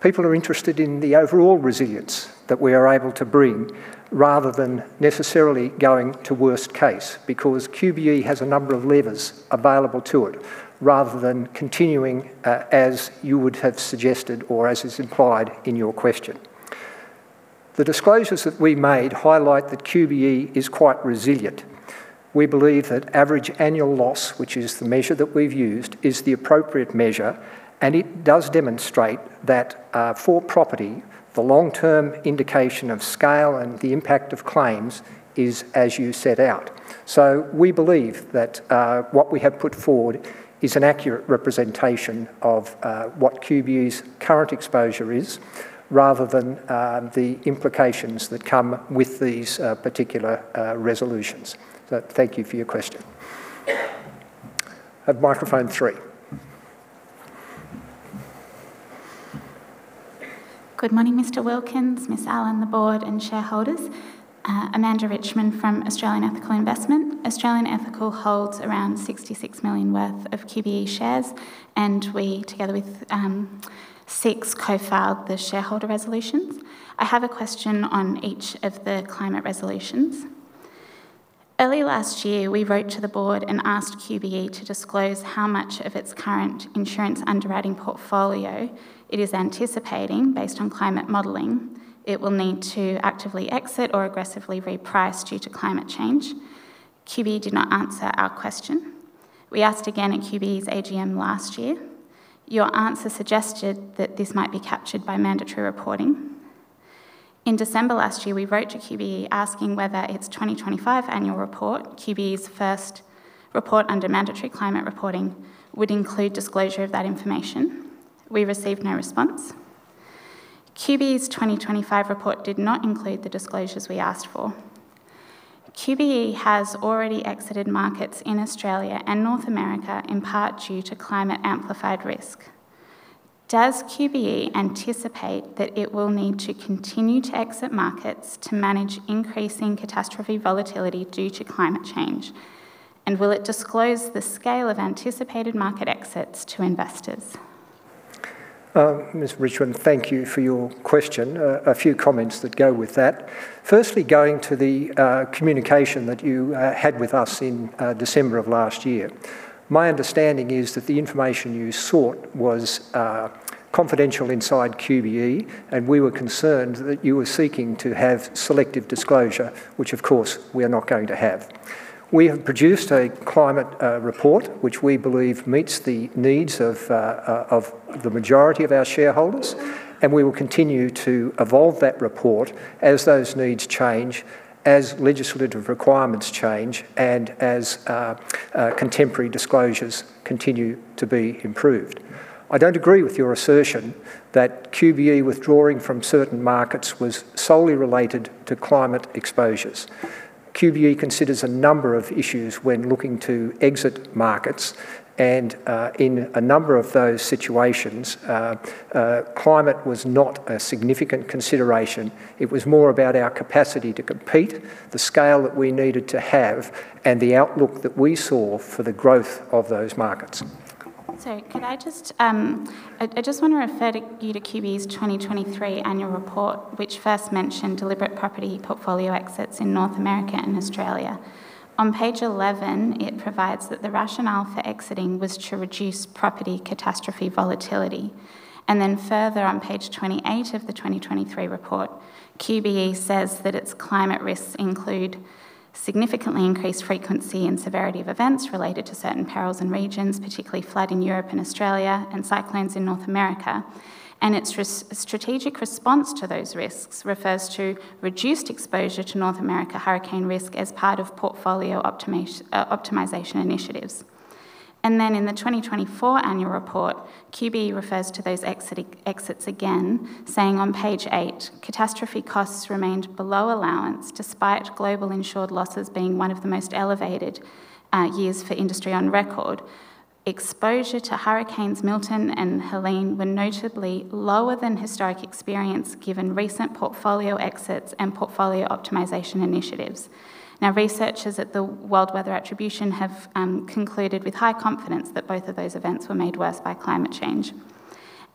People are interested in the overall resilience that we are able to bring rather than necessarily going to worst case, because QBE has a number of levers available to it rather than continuing as you would have suggested or as is implied in your question. The disclosures that we made highlight that QBE is quite resilient. We believe that average annual loss, which is the measure that we've used, is the appropriate measure, and it does demonstrate that for property, the long-term indication of scale and the impact of claims is as you set out. We believe that what we have put forward is an accurate representation of what QBE's current exposure is rather than the implications that come with these particular resolutions. Thank you for your question. I have microphone 3.
Good morning, Mr. Wilkins, Ms. Allen, the board and shareholders. Amanda Richman from Australian Ethical Investment. Australian Ethical holds around 66 million worth of QBE shares, we, together with SIX, co-filed the shareholder resolutions. I have a question on each of the climate resolutions. Early last year, we wrote to the board and asked QBE to disclose how much of its current insurance underwriting portfolio it is anticipating based on climate modeling it will need to actively exit or aggressively reprice due to climate change. QBE did not answer our question. We asked again at QBE's AGM last year. Your answer suggested that this might be captured by mandatory reporting. In December last year, we wrote to QBE asking whether its 2025 annual report, QBE's first report under mandatory climate reporting, would include disclosure of that information. We received no response. QBE's 2025 report did not include the disclosures we asked for. QBE has already exited markets in Australia and North America, in part due to climate amplified risk. Does QBE anticipate that it will need to continue to exit markets to manage increasing catastrophe volatility due to climate change? Will it disclose the scale of anticipated market exits to investors?
Ms. Richman, thank you for your question. A few comments that go with that. Firstly, going to the communication that you had with us in December of last year. My understanding is that the information you sought was confidential inside QBE, and we were concerned that you were seeking to have selective disclosure, which, of course, we are not going to have. We have produced a climate report which we believe meets the needs of the majority of our shareholders, and we will continue to evolve that report as those needs change, as legislative requirements change, and as contemporary disclosures continue to be improved. I don't agree with your assertion that QBE withdrawing from certain markets was solely related to climate exposures. QBE considers a number of issues when looking to exit markets and in a number of those situations, climate was not a significant consideration. It was more about our capacity to compete, the scale that we needed to have, and the outlook that we saw for the growth of those markets.
Could I just I just wanna refer to, you to QBE's 2023 annual report, which first mentioned deliberate property portfolio exits in North America and Australia. On page 11, it provides that the rationale for exiting was to reduce property catastrophe volatility. Further on page 28 of the 2023 report, QBE says that its climate risks include significantly increased frequency and severity of events related to certain perils and regions, particularly flood in Europe and Australia and cyclones in North America. Its strategic response to those risks refers to reduced exposure to North America hurricane risk as part of portfolio optimization initiatives. In the 2024 annual report, QBE refers to those exits again, saying on page 8, "Catastrophe costs remained below allowance despite global insured losses being one of the most elevated years for industry on record. Exposure to hurricanes Milton and Helene were notably lower than historic experience given recent portfolio exits and portfolio optimization initiatives." Researchers at the World Weather Attribution have concluded with high confidence that both of those events were made worse by climate change.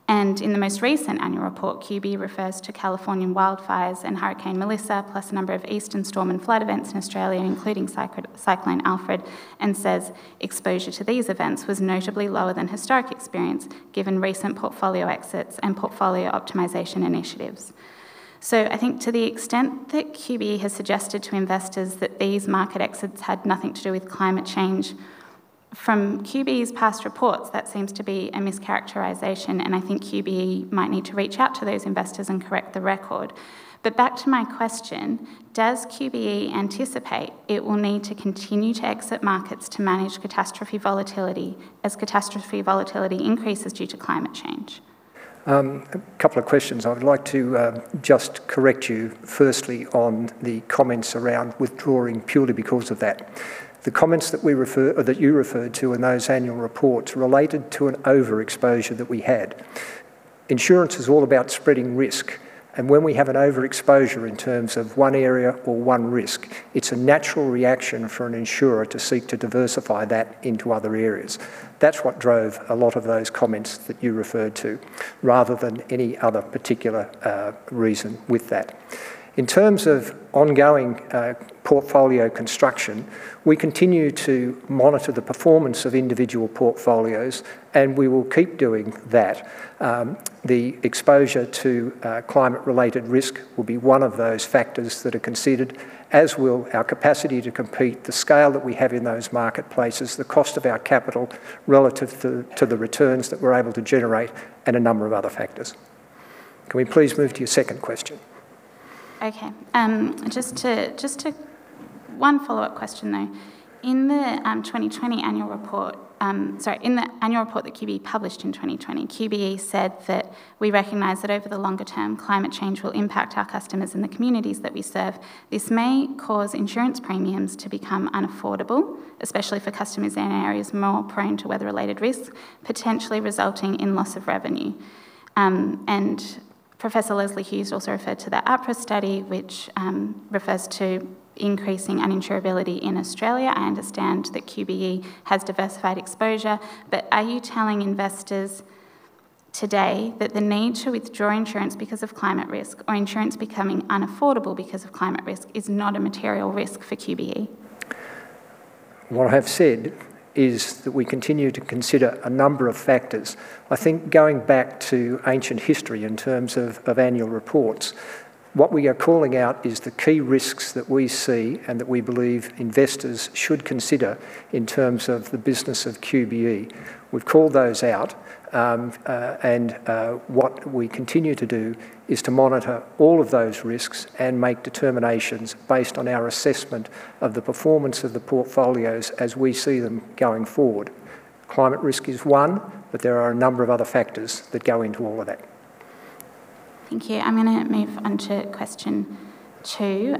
In the most recent annual report, QBE refers to Californian wildfires and Hurricane Maria, plus a number of eastern storm and flood events in Australia, including Cyclone Alfred, and says, "Exposure to these events was notably lower than historic experience given recent portfolio exits and portfolio optimization initiatives." I think to the extent that QBE has suggested to investors that these market exits had nothing to do with climate change, from QBE's past reports, that seems to be a mischaracterization, and I think QBE might need to reach out to those investors and correct the record. Back to my question, does QBE anticipate it will need to continue to exit markets to manage catastrophe volatility as catastrophe volatility increases due to climate change?
A couple of questions. I would like to just correct you firstly on the comments around withdrawing purely because of that. The comments that we refer, or that you referred to in those annual reports related to an overexposure that we had. Insurance is all about spreading risk. When we have an overexposure in terms of one area or one risk, it's a natural reaction for an insurer to seek to diversify that into other areas. That's what drove a lot of those comments that you referred to rather than any other particular reason with that. In terms of ongoing portfolio construction, we continue to monitor the performance of individual portfolios. We will keep doing that. The exposure to climate-related risk will be one of those factors that are considered, as will our capacity to compete, the scale that we have in those marketplaces, the cost of our capital relative to the returns that we're able to generate, and a number of other factors. Can we please move to your second question?
One follow-up question, though. In the 2020 annual report, in the annual report that QBE published in 2020, QBE said that, "We recognize that over the longer term, climate change will impact our customers and the communities that we serve. This may cause insurance premiums to become unaffordable, especially for customers in areas more prone to weather-related risks, potentially resulting in loss of revenue." Professor Lesley Hughes also referred to the APRA study, which refers to increasing uninsurability in Australia. I understand that QBE has diversified exposure, are you telling investors today that the need to withdraw insurance because of climate risk or insurance becoming unaffordable because of climate risk is not a material risk for QBE?
What I have said is that we continue to consider a number of factors. I think going back to ancient history in terms of annual reports, what we are calling out is the key risks that we see and that we believe investors should consider in terms of the business of QBE. We've called those out, and what we continue to do is to monitor all of those risks and make determinations based on our assessment of the performance of the portfolios as we see them going forward. Climate risk is one. There are a number of other factors that go into all of that.
Thank you. I'm going to move on to question 2,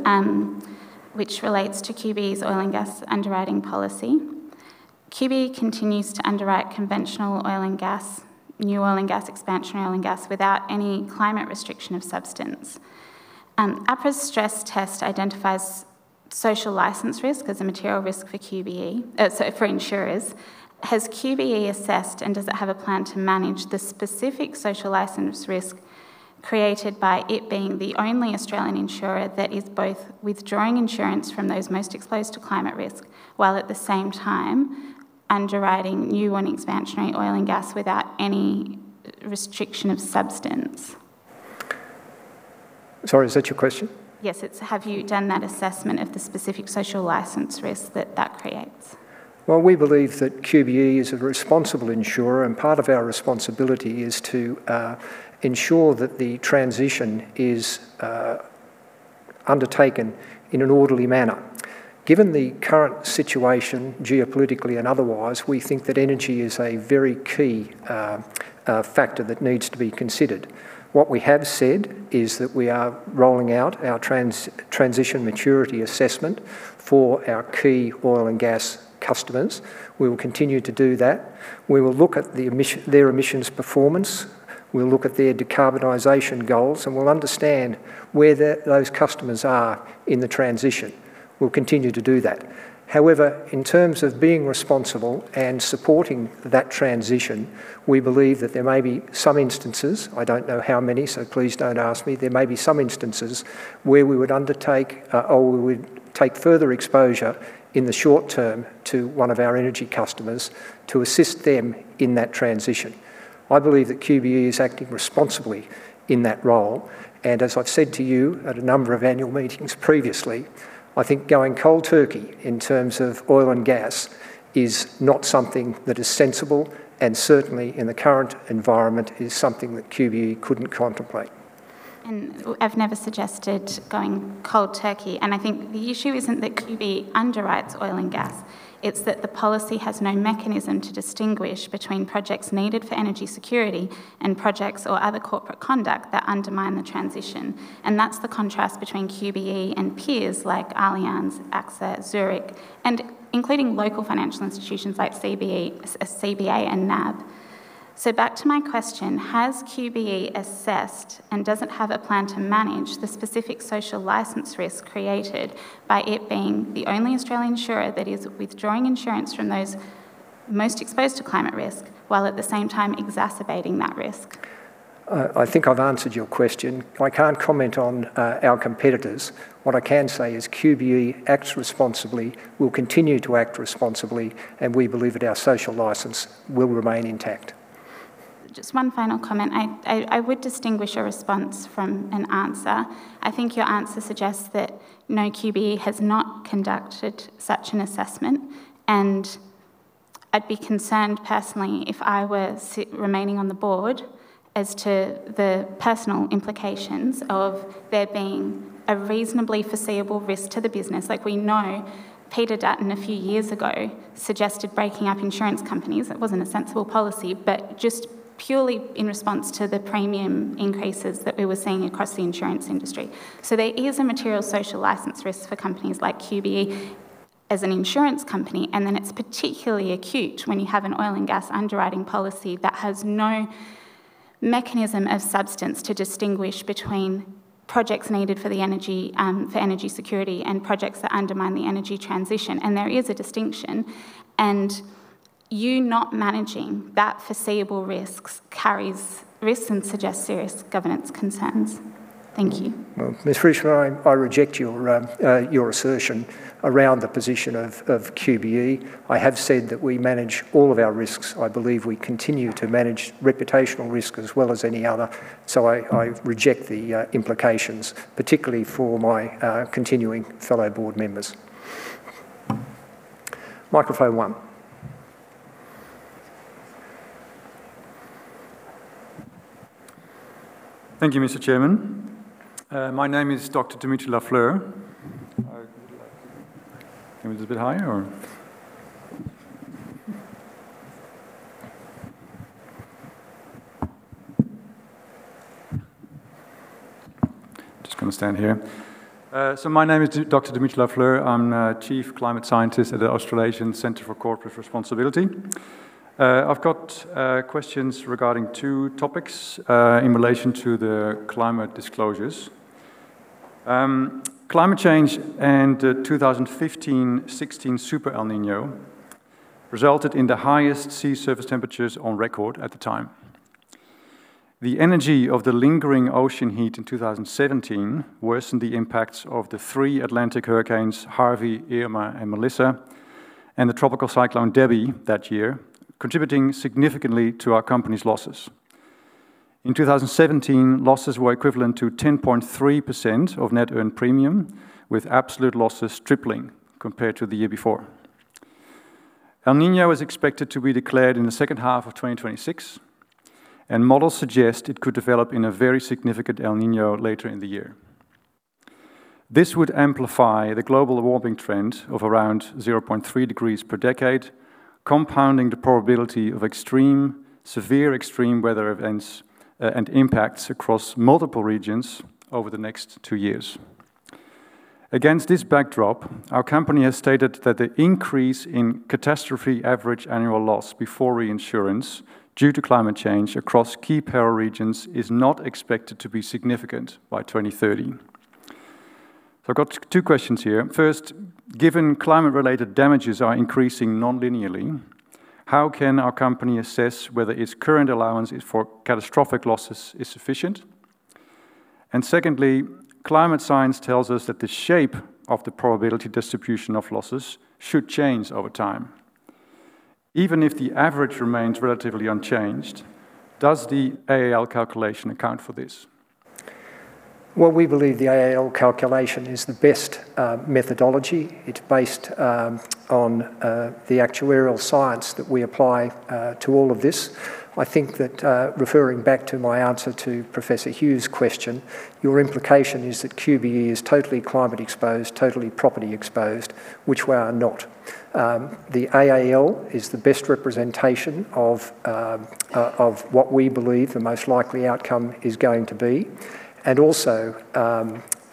which relates to QBE's oil and gas underwriting policy. QBE continues to underwrite conventional oil and gas, new oil and gas expansion, oil and gas without any climate restriction of substance. APRA's stress test identifies social license risk is a material risk for QBE, so for insurers. Has QBE assessed and does it have a plan to manage the specific social license risk created by it being the only Australian insurer that is both withdrawing insurance from those most exposed to climate risk while at the same time underwriting new and expansionary oil and gas without any restriction of substance?
Sorry, is that your question?
Yes, it's have you done that assessment of the specific social license risk that that creates?
Well, we believe that QBE is a responsible insurer, and part of our responsibility is to ensure that the transition is undertaken in an orderly manner. Given the current situation, geopolitically and otherwise, we think that energy is a very key factor that needs to be considered. What we have said is that we are rolling out our transition maturity assessment for our key oil and gas customers. We will continue to do that. We will look at their emissions performance. We'll look at their decarbonization goals, and we'll understand where those customers are in the transition. We'll continue to do that. In terms of being responsible and supporting that transition, we believe that there may be some instances, I don't know how many, so please don't ask me. There may be some instances where we would undertake, or we would take further exposure in the short term to one of our energy customers to assist them in that transition. I believe that QBE is acting responsibly in that role, and as I've said to you at a number of annual meetings previously, I think going cold turkey in terms of oil and gas is not something that is sensible, and certainly in the current environment is something that QBE couldn't contemplate.
I've never suggested going cold turkey. I think the issue isn't that QBE underwrites oil and gas. It's that the policy has no mechanism to distinguish between projects needed for energy security and projects or other corporate conduct that undermine the transition. That's the contrast between QBE and peers like Allianz, AXA, Zurich, including local financial institutions like CBA and NAB. Back to my question, has QBE assessed and does it have a plan to manage the specific social license risk created by it being the only Australian insurer that is withdrawing insurance from those most exposed to climate risk while at the same time exacerbating that risk?
I think I've answered your question. I can't comment on our competitors. What I can say is QBE acts responsibly, will continue to act responsibly, and we believe that our social license will remain intact.
Just one final comment. I would distinguish a response from an answer. I think your answer suggests that, you know, QBE has not conducted such an assessment, and I'd be concerned personally if I were remaining on the board as to the personal implications of there being a reasonably foreseeable risk to the business. Like we know Peter Dutton a few years ago suggested breaking up insurance companies. That wasn't a sensible policy, just purely in response to the premium increases that we were seeing across the insurance industry. There is a material social license risk for companies like QBE as an insurance company, and then it's particularly acute when you have an oil and gas underwriting policy that has no mechanism of substance to distinguish between projects needed for the energy, for energy security and projects that undermine the energy transition. There is a distinction. You not managing that foreseeable risks carries risks and suggests serious governance concerns. Thank you.
Well, Ms. Fraser, I reject your assertion around the position of QBE. I have said that we manage all of our risks. I believe we continue to manage reputational risk as well as any other. I reject the implications, particularly for my continuing fellow board members.
Thank you, Mr. Chairman. My name is Dr. Dimitri Lafleur. Would you like to Can we just a bit higher or? Just gonna stand here. My name is Dr. Dimitri Lafleur. I'm Chief Climate Scientist at the Australasian Centre for Corporate Responsibility. I've got questions regarding two topics in relation to the climate disclosures. Climate change and 2015-2016 super El Niño resulted in the highest sea surface temperatures on record at the time. The energy of the lingering ocean heat in 2017 worsened the impacts of the three Atlantic hurricanes, Harvey, Irma, and Maria, and the Tropical Cyclone Debbie that year, contributing significantly to our company's losses. In 2017, losses were equivalent to 10.3% of net earned premium, with absolute losses tripling compared to the year before. El Niño is expected to be declared in the second half of 2026, and models suggest it could develop in a very significant El Niño later in the year. This would amplify the global warming trend of around 0.3 degrees per decade, compounding the probability of extreme, severe extreme weather events, and impacts across multiple regions over the next two years. Against this backdrop, our company has stated that the increase in catastrophe average annual loss before reinsurance due to climate change across key peril regions is not expected to be significant by 2030. I've got two questions here. First, given climate-related damages are increasing non-linearly, how can our company assess whether its current allowance is for catastrophic losses is sufficient? Secondly, climate science tells us that the shape of the probability distribution of losses should change over time. Even if the average remains relatively unchanged, does the AAL calculation account for this?
Well, we believe the AAL calculation is the best methodology. It's based on the actuarial science that we apply to all of this. I think that, referring back to my answer to Professor Hughes' question, your implication is that QBE is totally climate exposed, totally property exposed, which we are not. The AAL is the best representation of what we believe the most likely outcome is going to be. Also,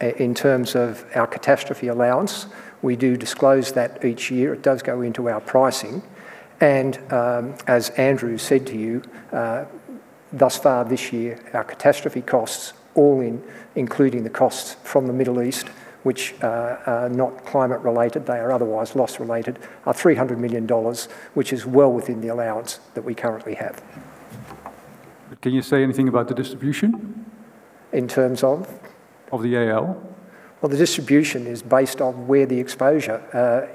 in terms of our catastrophe allowance, we do disclose that each year. It does go into our pricing. As Andrew said to you, thus far this year, our catastrophe costs all in, including the costs from the Middle East, which are not climate related, they are otherwise loss related, are $300 million, which is well within the allowance that we currently have.
Can you say anything about the distribution?
In terms of?
Of the AAL.
The distribution is based on where the exposure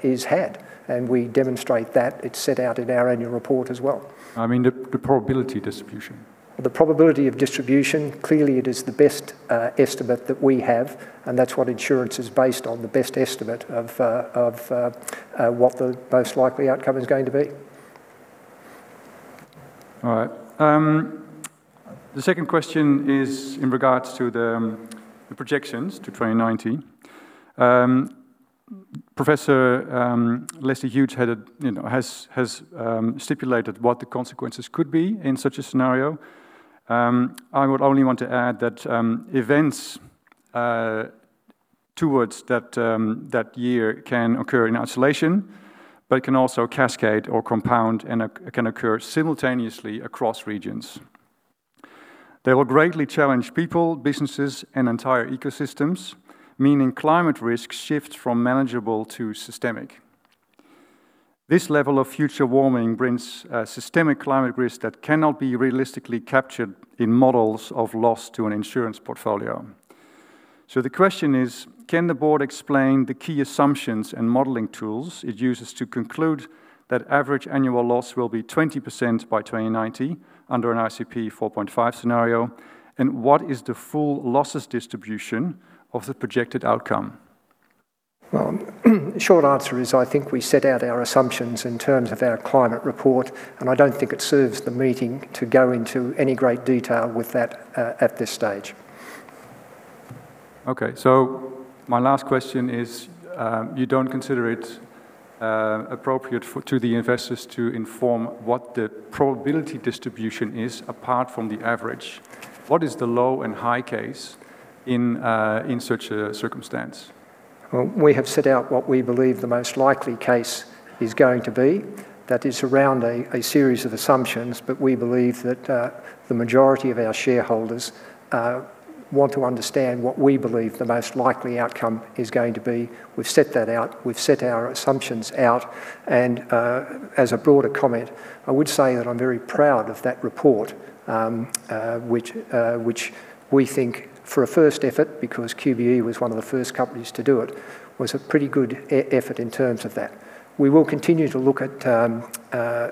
is had, and we demonstrate that. It's set out in our annual report as well.
I mean the probability distribution.
The probability of distribution, clearly it is the best estimate that we have, and that's what insurance is based on, the best estimate of what the most likely outcome is going to be.
All right. The second question is in regards to the projections to 2019. Professor Lesley Hughes headed has stipulated what the consequences could be in such a scenario. I would only want to add that events towards that year can occur in isolation, but can also cascade or compound and can occur simultaneously across regions. They will greatly challenge people, businesses, and entire ecosystems, meaning climate risks shift from manageable to systemic. This level of future warming brings a systemic climate risk that cannot be realistically captured in models of loss to an insurance portfolio. The question is, can the board explain the key assumptions and modeling tools it uses to conclude that average annual loss will be 20% by 2090 under an RCP 4.5 scenario? What is the full losses distribution of the projected outcome?
Short answer is I think we set out our assumptions in terms of our climate report, and I don't think it serves the meeting to go into any great detail with that at this stage.
Okay. My last question is, you don't consider it appropriate to the investors to inform what the probability distribution is apart from the average. What is the low and high case in such a circumstance?
Well, we have set out what we believe the most likely case is going to be. That is around a series of assumptions, but we believe that the majority of our shareholders want to understand what we believe the most likely outcome is going to be. We've set that out. We've set our assumptions out. As a broader comment, I would say that I'm very proud of that report, which we think for a first effort, because QBE was one of the first companies to do it, was a pretty good effort in terms of that. We will continue to look at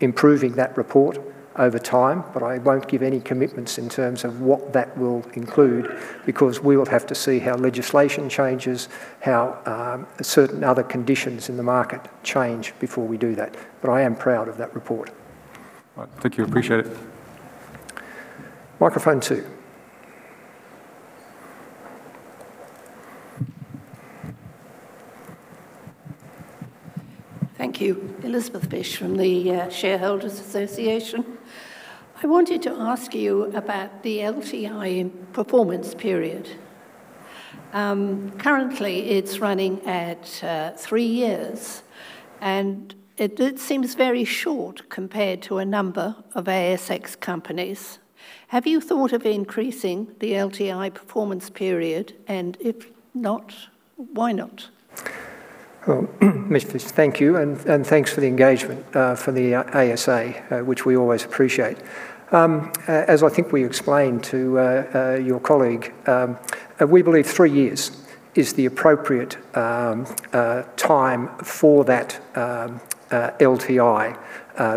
improving that report over time, but I won't give any commitments in terms of what that will include because we will have to see how legislation changes, how certain other conditions in the market change before we do that. I am proud of that report.
Right. Thank you. Appreciate it.
Microphone 2.
Thank you. Elizabeth Fish from the Shareholders Association. I wanted to ask you about the LTI performance period. Currently it's running at three years, and it seems very short compared to a number of ASX companies. Have you thought of increasing the LTI performance period? If not, why not?
Ms. Fish, thank you and thanks for the engagement, from the ASA, which we always appreciate. As I think we explained to your colleague, we believe three years is the appropriate time for that LTI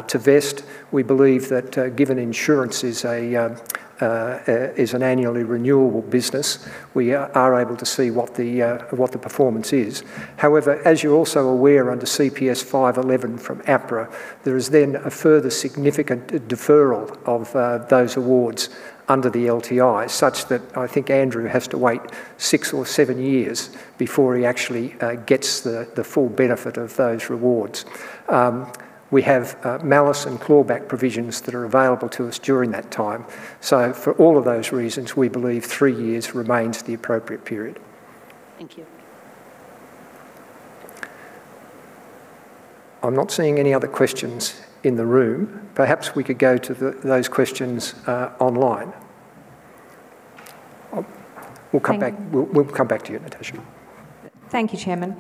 to vest. We believe that, given insurance is an annually renewable business, we are able to see what the performance is. As you are also aware under CPS 511 from APRA, there is then a further significant deferral of those awards under the LTI, such that I think Andrew has to wait six or seven years before he actually gets the full benefit of those rewards. We have malus and clawback provisions that are available to us during that time. For all of those reasons, we believe three years remains the appropriate period.
Thank you.
I'm not seeing any other questions in the room. Perhaps we could go to those questions online.
Thank-
We'll come back to you, Natasha.
Thank you, Chairman.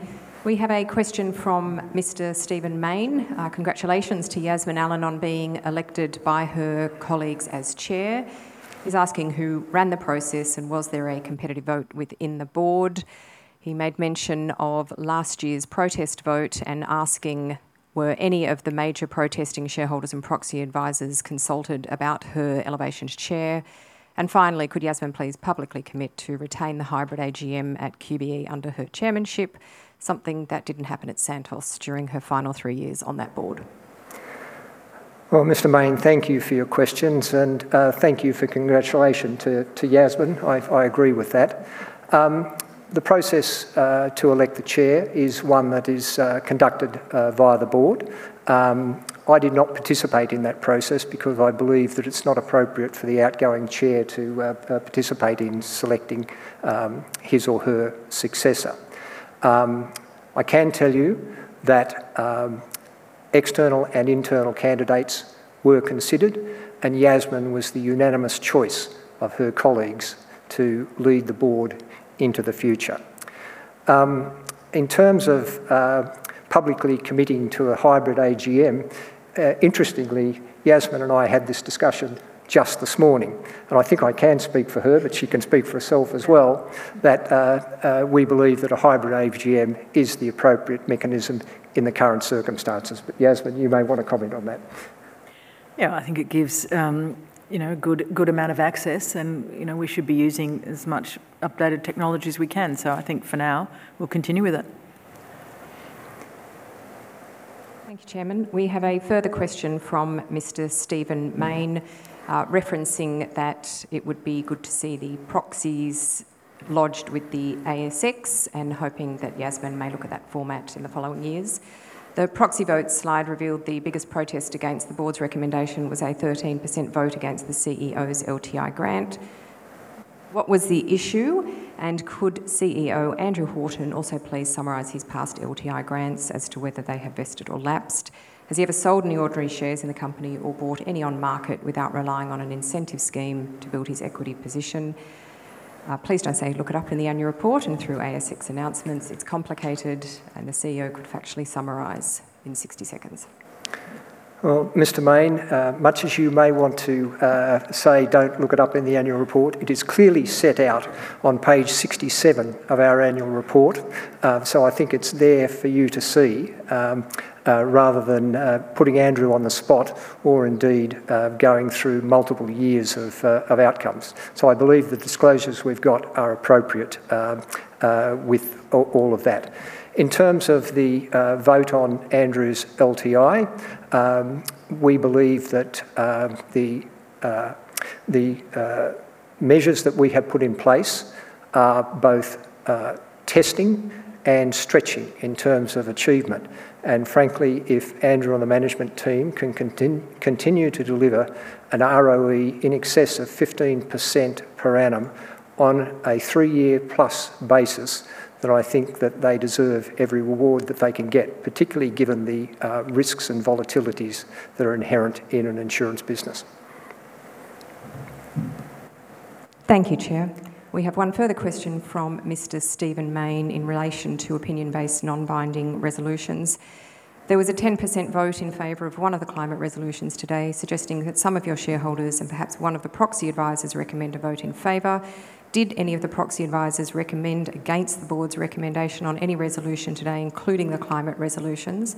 We have a question from Mr. Stephen Mayne. Congratulations to Yasmin Allen on being elected by her colleagues as Chair. He's asking who ran the process, and was there a competitive vote within the board? He made mention of last year's protest vote and asking were any of the major protesting shareholders and proxy advisors consulted about her elevation to Chair? Finally, could Yasmin please publicly commit to retain the hybrid AGM at QBE under her chairmanship, something that didn't happen at Santos during her final three years on that board?
Well, Mr. Mayne, thank you for your questions, and thank you for congratulation to Yasmin. I agree with that. The process to elect the chair is one that is conducted via the board. I did not participate in that process because I believe that it's not appropriate for the outgoing chair to participate in selecting his or her successor. I can tell you that external and internal candidates were considered, and Yasmin was the unanimous choice of her colleagues to lead the board into the future. In terms of publicly committing to a hybrid AGM, interestingly, Yasmin and I had this discussion just this morning, and I think I can speak for her, but she can speak for herself as well, that we believe that a hybrid AGM is the appropriate mechanism in the current circumstances. Yasmin, you may want to comment on that.
Yeah. I think it gives, you know, a good amount of access, and, you know, we should be using as much updated technology as we can. I think for now we'll continue with it.
Thank you, Chairman. We have a further question from Mr. Stephen Mayne, referencing that it would be good to see the proxies lodged with the ASX and hoping that Yasmin may look at that format in the following years. The proxy vote slide revealed the biggest protest against the board's recommendation was a 13% vote against the CEO's LTI grant. What was the issue, and could CEO Andrew Horton also please summarize his past LTI grants as to whether they have vested or lapsed? Has he ever sold any ordinary shares in the company or bought any on market without relying on an incentive scheme to build his equity position? Please don't say, "Look it up in the annual report and through ASX announcements." It's complicated. The CEO could factually summarize in 60 seconds.
Mr. Stephen Mayne, much as you may want to say, "Don't look it up in the annual report," it is clearly set out on page 67 of our annual report. I think it's there for you to see, rather than putting Andrew Horton on the spot or indeed, going through multiple years of outcomes. I believe the disclosures we've got are appropriate, with all of that. In terms of the vote on Andrew Horton's LTI, we believe that the measures that we have put in place are both testing and stretching in terms of achievement. Frankly, if Andrew and the management team continue to deliver an ROE in excess of 15% per annum on a three year plus basis, then I think that they deserve every reward that they can get, particularly given the risks and volatilities that are inherent in an insurance business.
Thank you, Chair. We have one further question from Mr. Stephen Mayne in relation to opinion-based non-binding resolutions. There was a 10% vote in favor of one of the climate resolutions today suggesting that some of your shareholders and perhaps one of the proxy advisors recommend a vote in favor. Did any of the proxy advisors recommend against the board's recommendation on any resolution today, including the climate resolutions?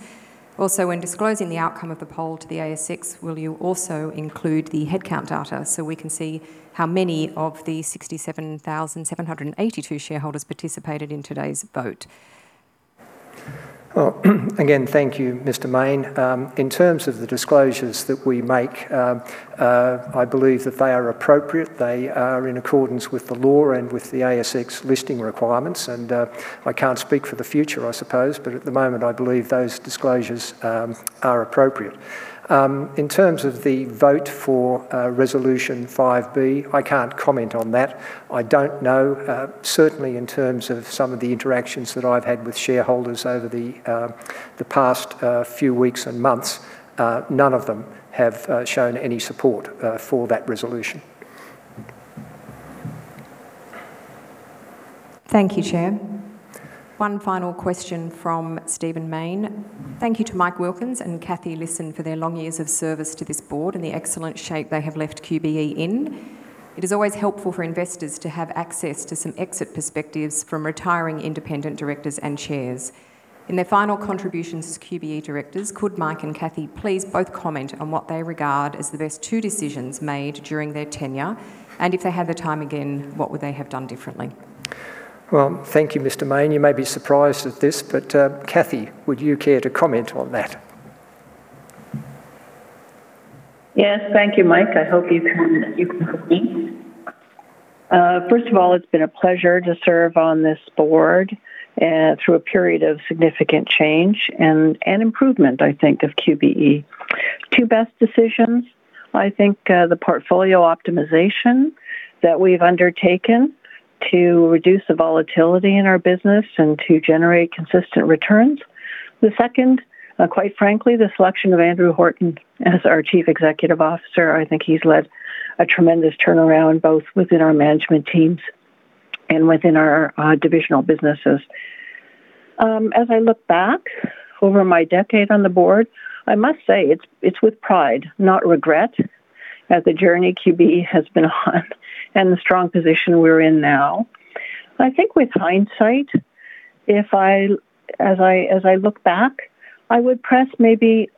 Also, when disclosing the outcome of the poll to the ASX, will you also include the headcount data so we can see how many of the 67,782 shareholders participated in today's vote?
Well, again, thank you, Mr. Mayne. In terms of the disclosures that we make, I believe that they are appropriate. They are in accordance with the law and with the ASX listing requirements, and I can't speak for the future, I suppose, but at the moment I believe those disclosures are appropriate. In terms of the vote for resolution 5B, I can't comment on that. I don't know. Certainly in terms of some of the interactions that I've had with shareholders over the past few weeks and months, none of them have shown any support for that resolution.
Thank you, Chair. One final question from Stephen Mayne. Thank you to Mike Wilkins and Kathy Lisson for their long years of service to this board and the excellent shape they have left QBE in. It is always helpful for investors to have access to some exit perspectives from retiring independent directors and chairs. In their final contributions as QBE directors, could Mike and Kathy please both comment on what they regard as the best two decisions made during their tenure? If they had their time again, what would they have done differently?
Well, thank you, Mr. Mayne. You may be surprised at this, but Kathy, would you care to comment on that?
Yes. Thank you, Mike. I hope you can hear me. First of all, it's been a pleasure to serve on this board through a period of significant change and improvement, I think, of QBE. Two best decisions, I think, the portfolio optimization that we've undertaken to reduce the volatility in our business and to generate consistent returns. The second, quite frankly, the selection of Andrew Horton as our Chief Executive Officer. I think he's led a tremendous turnaround both within our management teams and within our divisional businesses. As I look back over my decade on the board, I must say it's with pride, not regret, at the journey QBE has been on and the strong position we're in now. I think with hindsight, as I look back, I would press maybe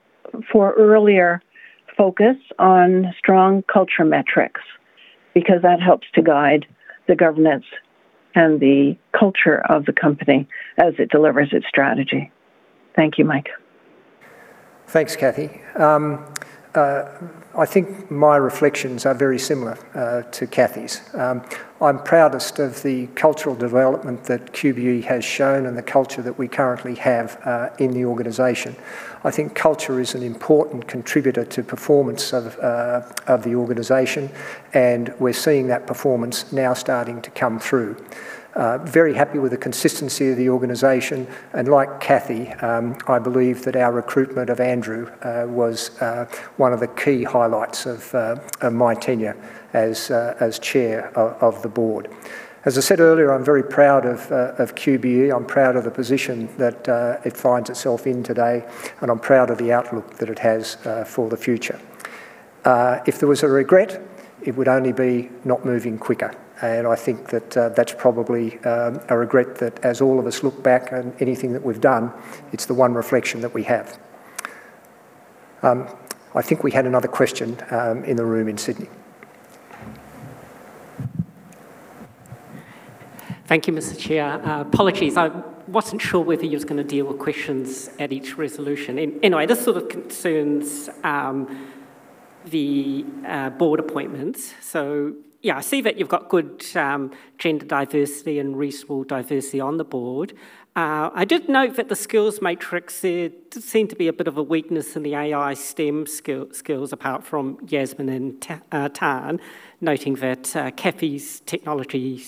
for earlier focus on strong culture metrics, because that helps to guide the governance and the culture of the company as it delivers its strategy. Thank you, Mike.
Thanks, Kathy. I think my reflections are very similar to Kathy's. I'm proudest of the cultural development that QBE has shown and the culture that we currently have in the organization. I think culture is an important contributor to performance of the organization, and we're seeing that performance now starting to come through. Very happy with the consistency of the organization, and like Kathy, I believe that our recruitment of Andrew was one of the key highlights of my tenure as chair of the board. As I said earlier, I'm very proud of QBE. I'm proud of the position that it finds itself in today, and I'm proud of the outlook that it has for the future. If there was a regret, it would only be not moving quicker, and I think that's probably a regret that as all of us look back on anything that we've done, it's the one reflection that we have. I think we had another question in the room in Sydney.
Thank you, Mr. Chair. Apologies. I wasn't sure whether you was gonna deal with questions at each resolution. Anyway, this sort of concerns the board appointments. Yeah, I see that you've got good gender diversity and reasonable diversity on the board. I did note that the skills matrix, it seemed to be a bit of a weakness in the AI STEM skills apart from Yasmin and Tan, noting that Kathy's technology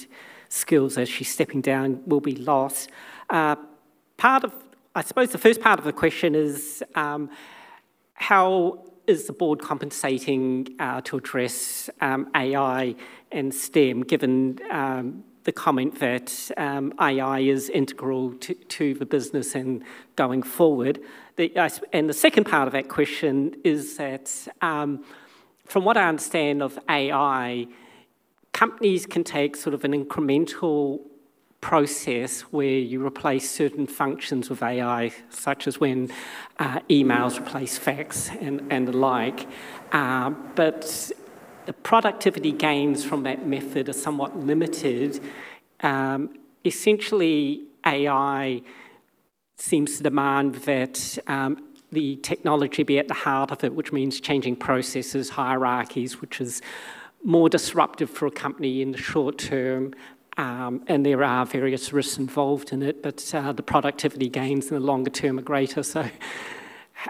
skills as she's stepping down will be lost. Part of I suppose the first part of the question is, how is the board compensating to address AI and STEM, given the comment that AI is integral to the business and going forward? The second part of that question is that, from what I understand of AI, companies can take sort of an incremental process where you replace certain functions with AI, such as when emails replace fax and the like. The productivity gains from that method are somewhat limited. Essentially, AI seems to demand that the technology be at the heart of it, which means changing processes, hierarchies, which is more disruptive for a company in the short term, there are various risks involved in it. The productivity gains in the longer term are greater.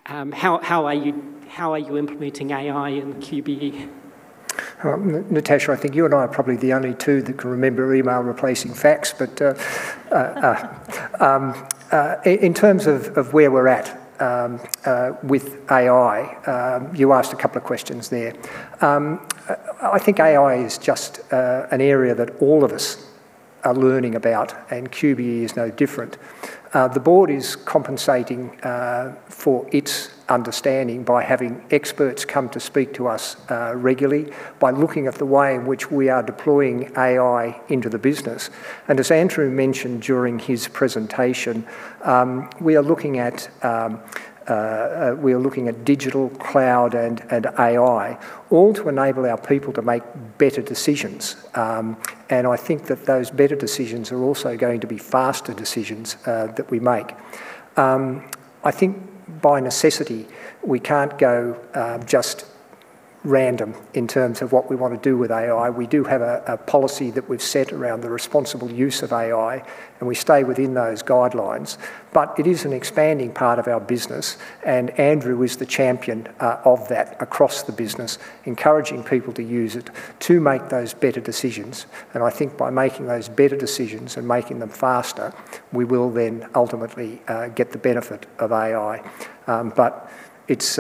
How are you implementing AI in QBE?
Natasha, I think you and I are probably the only two that can remember email replacing fax. In terms of where we're at with AI, you asked a couple of questions there. I think AI is just an area that all of us are learning about, QBE is no different. The board is compensating for its understanding by having experts come to speak to us regularly, by looking at the way in which we are deploying AI into the business. As Andrew mentioned during his presentation, we are looking at digital, cloud, and AI, all to enable our people to make better decisions. I think that those better decisions are also going to be faster decisions that we make. I think by necessity we can't go just random in terms of what we wanna do with AI. We do have a policy that we've set around the responsible use of AI. We stay within those guidelines. It is an expanding part of our business. Andrew is the champion of that across the business, encouraging people to use it to make those better decisions. I think by making those better decisions and making them faster, we will then ultimately get the benefit of AI. It's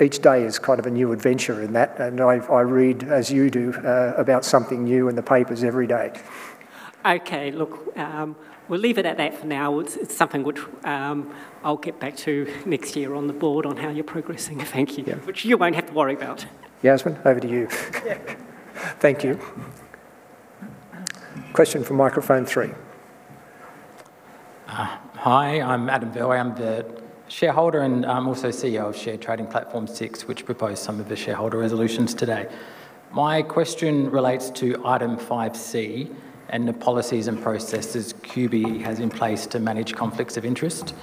each day is kind of a new adventure in that. I read, as you do, about something new in the papers every day.
Okay. Look, we'll leave it at that for now. It's something which, I'll get back to next year on the board on how you're progressing. Thank you.
Yeah.
Which you won't have to worry about.
Yasmin, over to you.
Yeah.
Thank you. Question from microphone 3.
Hi. I'm Adam Verwey. I am the shareholder, and I'm also CEO of Share Trading Platform SIX, which proposed some of the shareholder resolutions today. My question relates to item 5C and the policies and processes QBE has in place to manage conflicts of interest.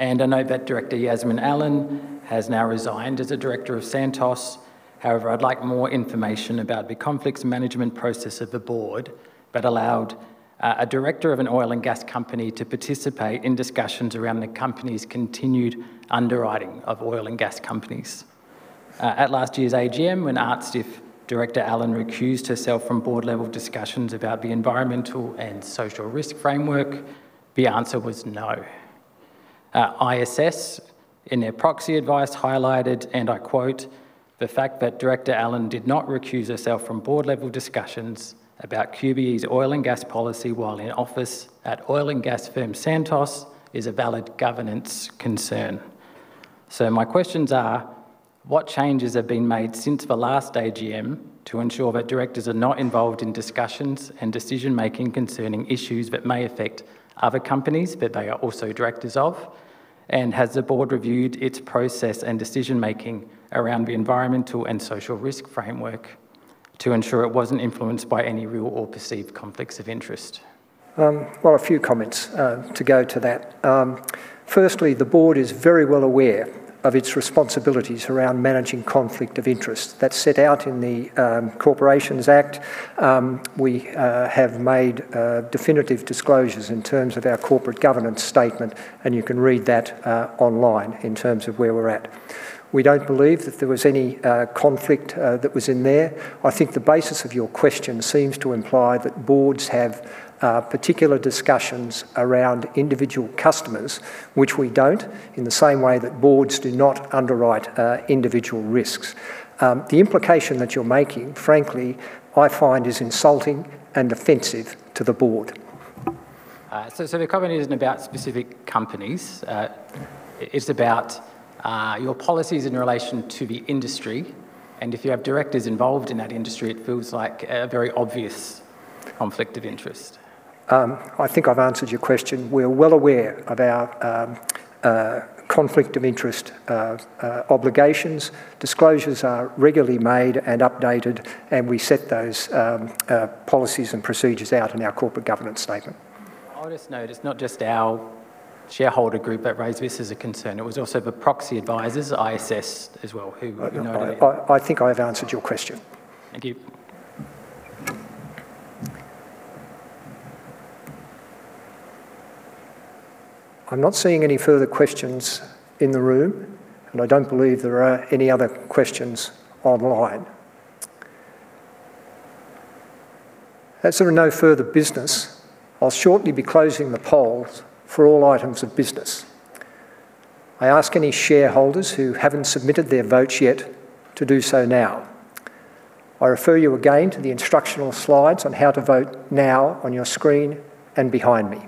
I know that Director Yasmin Allen has now resigned as a director of Santos. However, I'd like more information about the conflicts management process of the board that allowed a director of an oil and gas company to participate in discussions around the company's continued underwriting of oil and gas companies. At last year's AGM, when asked if Director Allen recused herself from board level discussions about the environmental and social risk framework, the answer was no. ISS in their proxy advice highlighted, and I quote, "The fact that Director Allen did not recuse herself from board level discussions about QBE's oil and gas policy while in office at oil and gas firm Santos is a valid governance concern." My questions are, what changes have been made since the last AGM to ensure that directors are not involved in discussions and decision-making concerning issues that may affect other companies that they are also directors of? Has the board reviewed its process and decision-making around the environmental and social risk framework to ensure it wasn't influenced by any real or perceived conflicts of interest?
Well, a few comments to go to that. Firstly, the board is very well aware of its responsibilities around managing conflict of interest. That's set out in the Corporations Act. We have made definitive disclosures in terms of our corporate governance statement, and you can read that online in terms of where we're at. We don't believe that there was any conflict that was in there. I think the basis of your question seems to imply that boards have particular discussions around individual customers, which we don't, in the same way that boards do not underwrite individual risks. The implication that you're making, frankly, I find is insulting and offensive to the board.
The comment isn't about specific companies. It's about your policies in relation to the industry, and if you have directors involved in that industry, it feels like a very obvious conflict of interest.
I think I've answered your question. We're well aware of our conflict of interest obligations. Disclosures are regularly made and updated, and we set those policies and procedures out in our corporate governance statement.
I'll just note it's not just our shareholder group that raised this as a concern. It was also the proxy advisors, ISS as well, who noted it.
I think I have answered your question.
Thank you.
I'm not seeing any further questions in the room, and I don't believe there are any other questions online. There are no further business, I'll shortly be closing the polls for all items of business. I ask any shareholders who haven't submitted their votes yet to do so now. I refer you again to the instructional slides on how to vote now on your screen and behind me.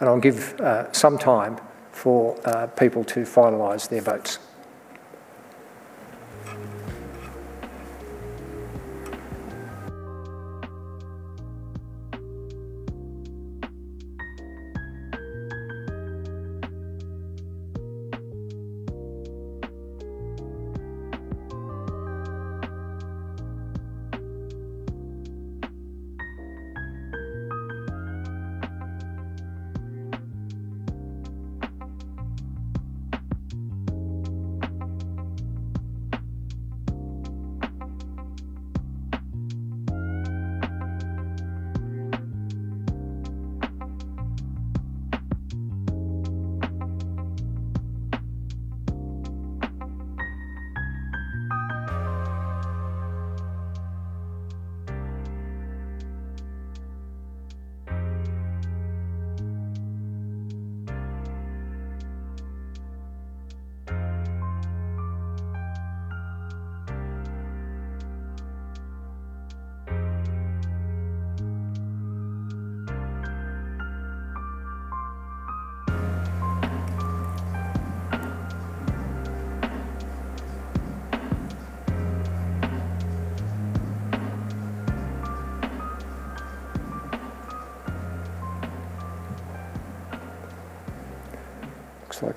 I'll give some time for people to finalize their votes.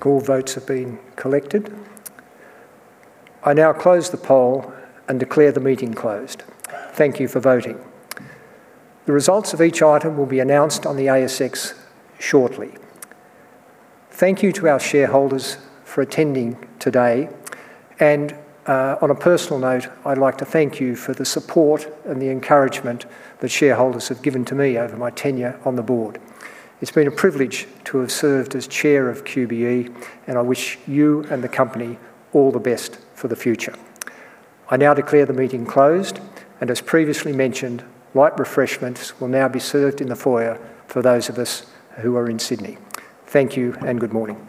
Looks like all votes have been collected. I now close the poll and declare the meeting closed. Thank you for voting. The results of each item will be announced on the ASX shortly. Thank you to our shareholders for attending today. On a personal note, I'd like to thank you for the support and the encouragement that shareholders have given to me over my tenure on the board. It's been a privilege to have served as chair of QBE, and I wish you and the company all the best for the future. I now declare the meeting closed, and as previously mentioned, light refreshments will now be served in the foyer for those of us who are in Sydney. Thank you and good morning.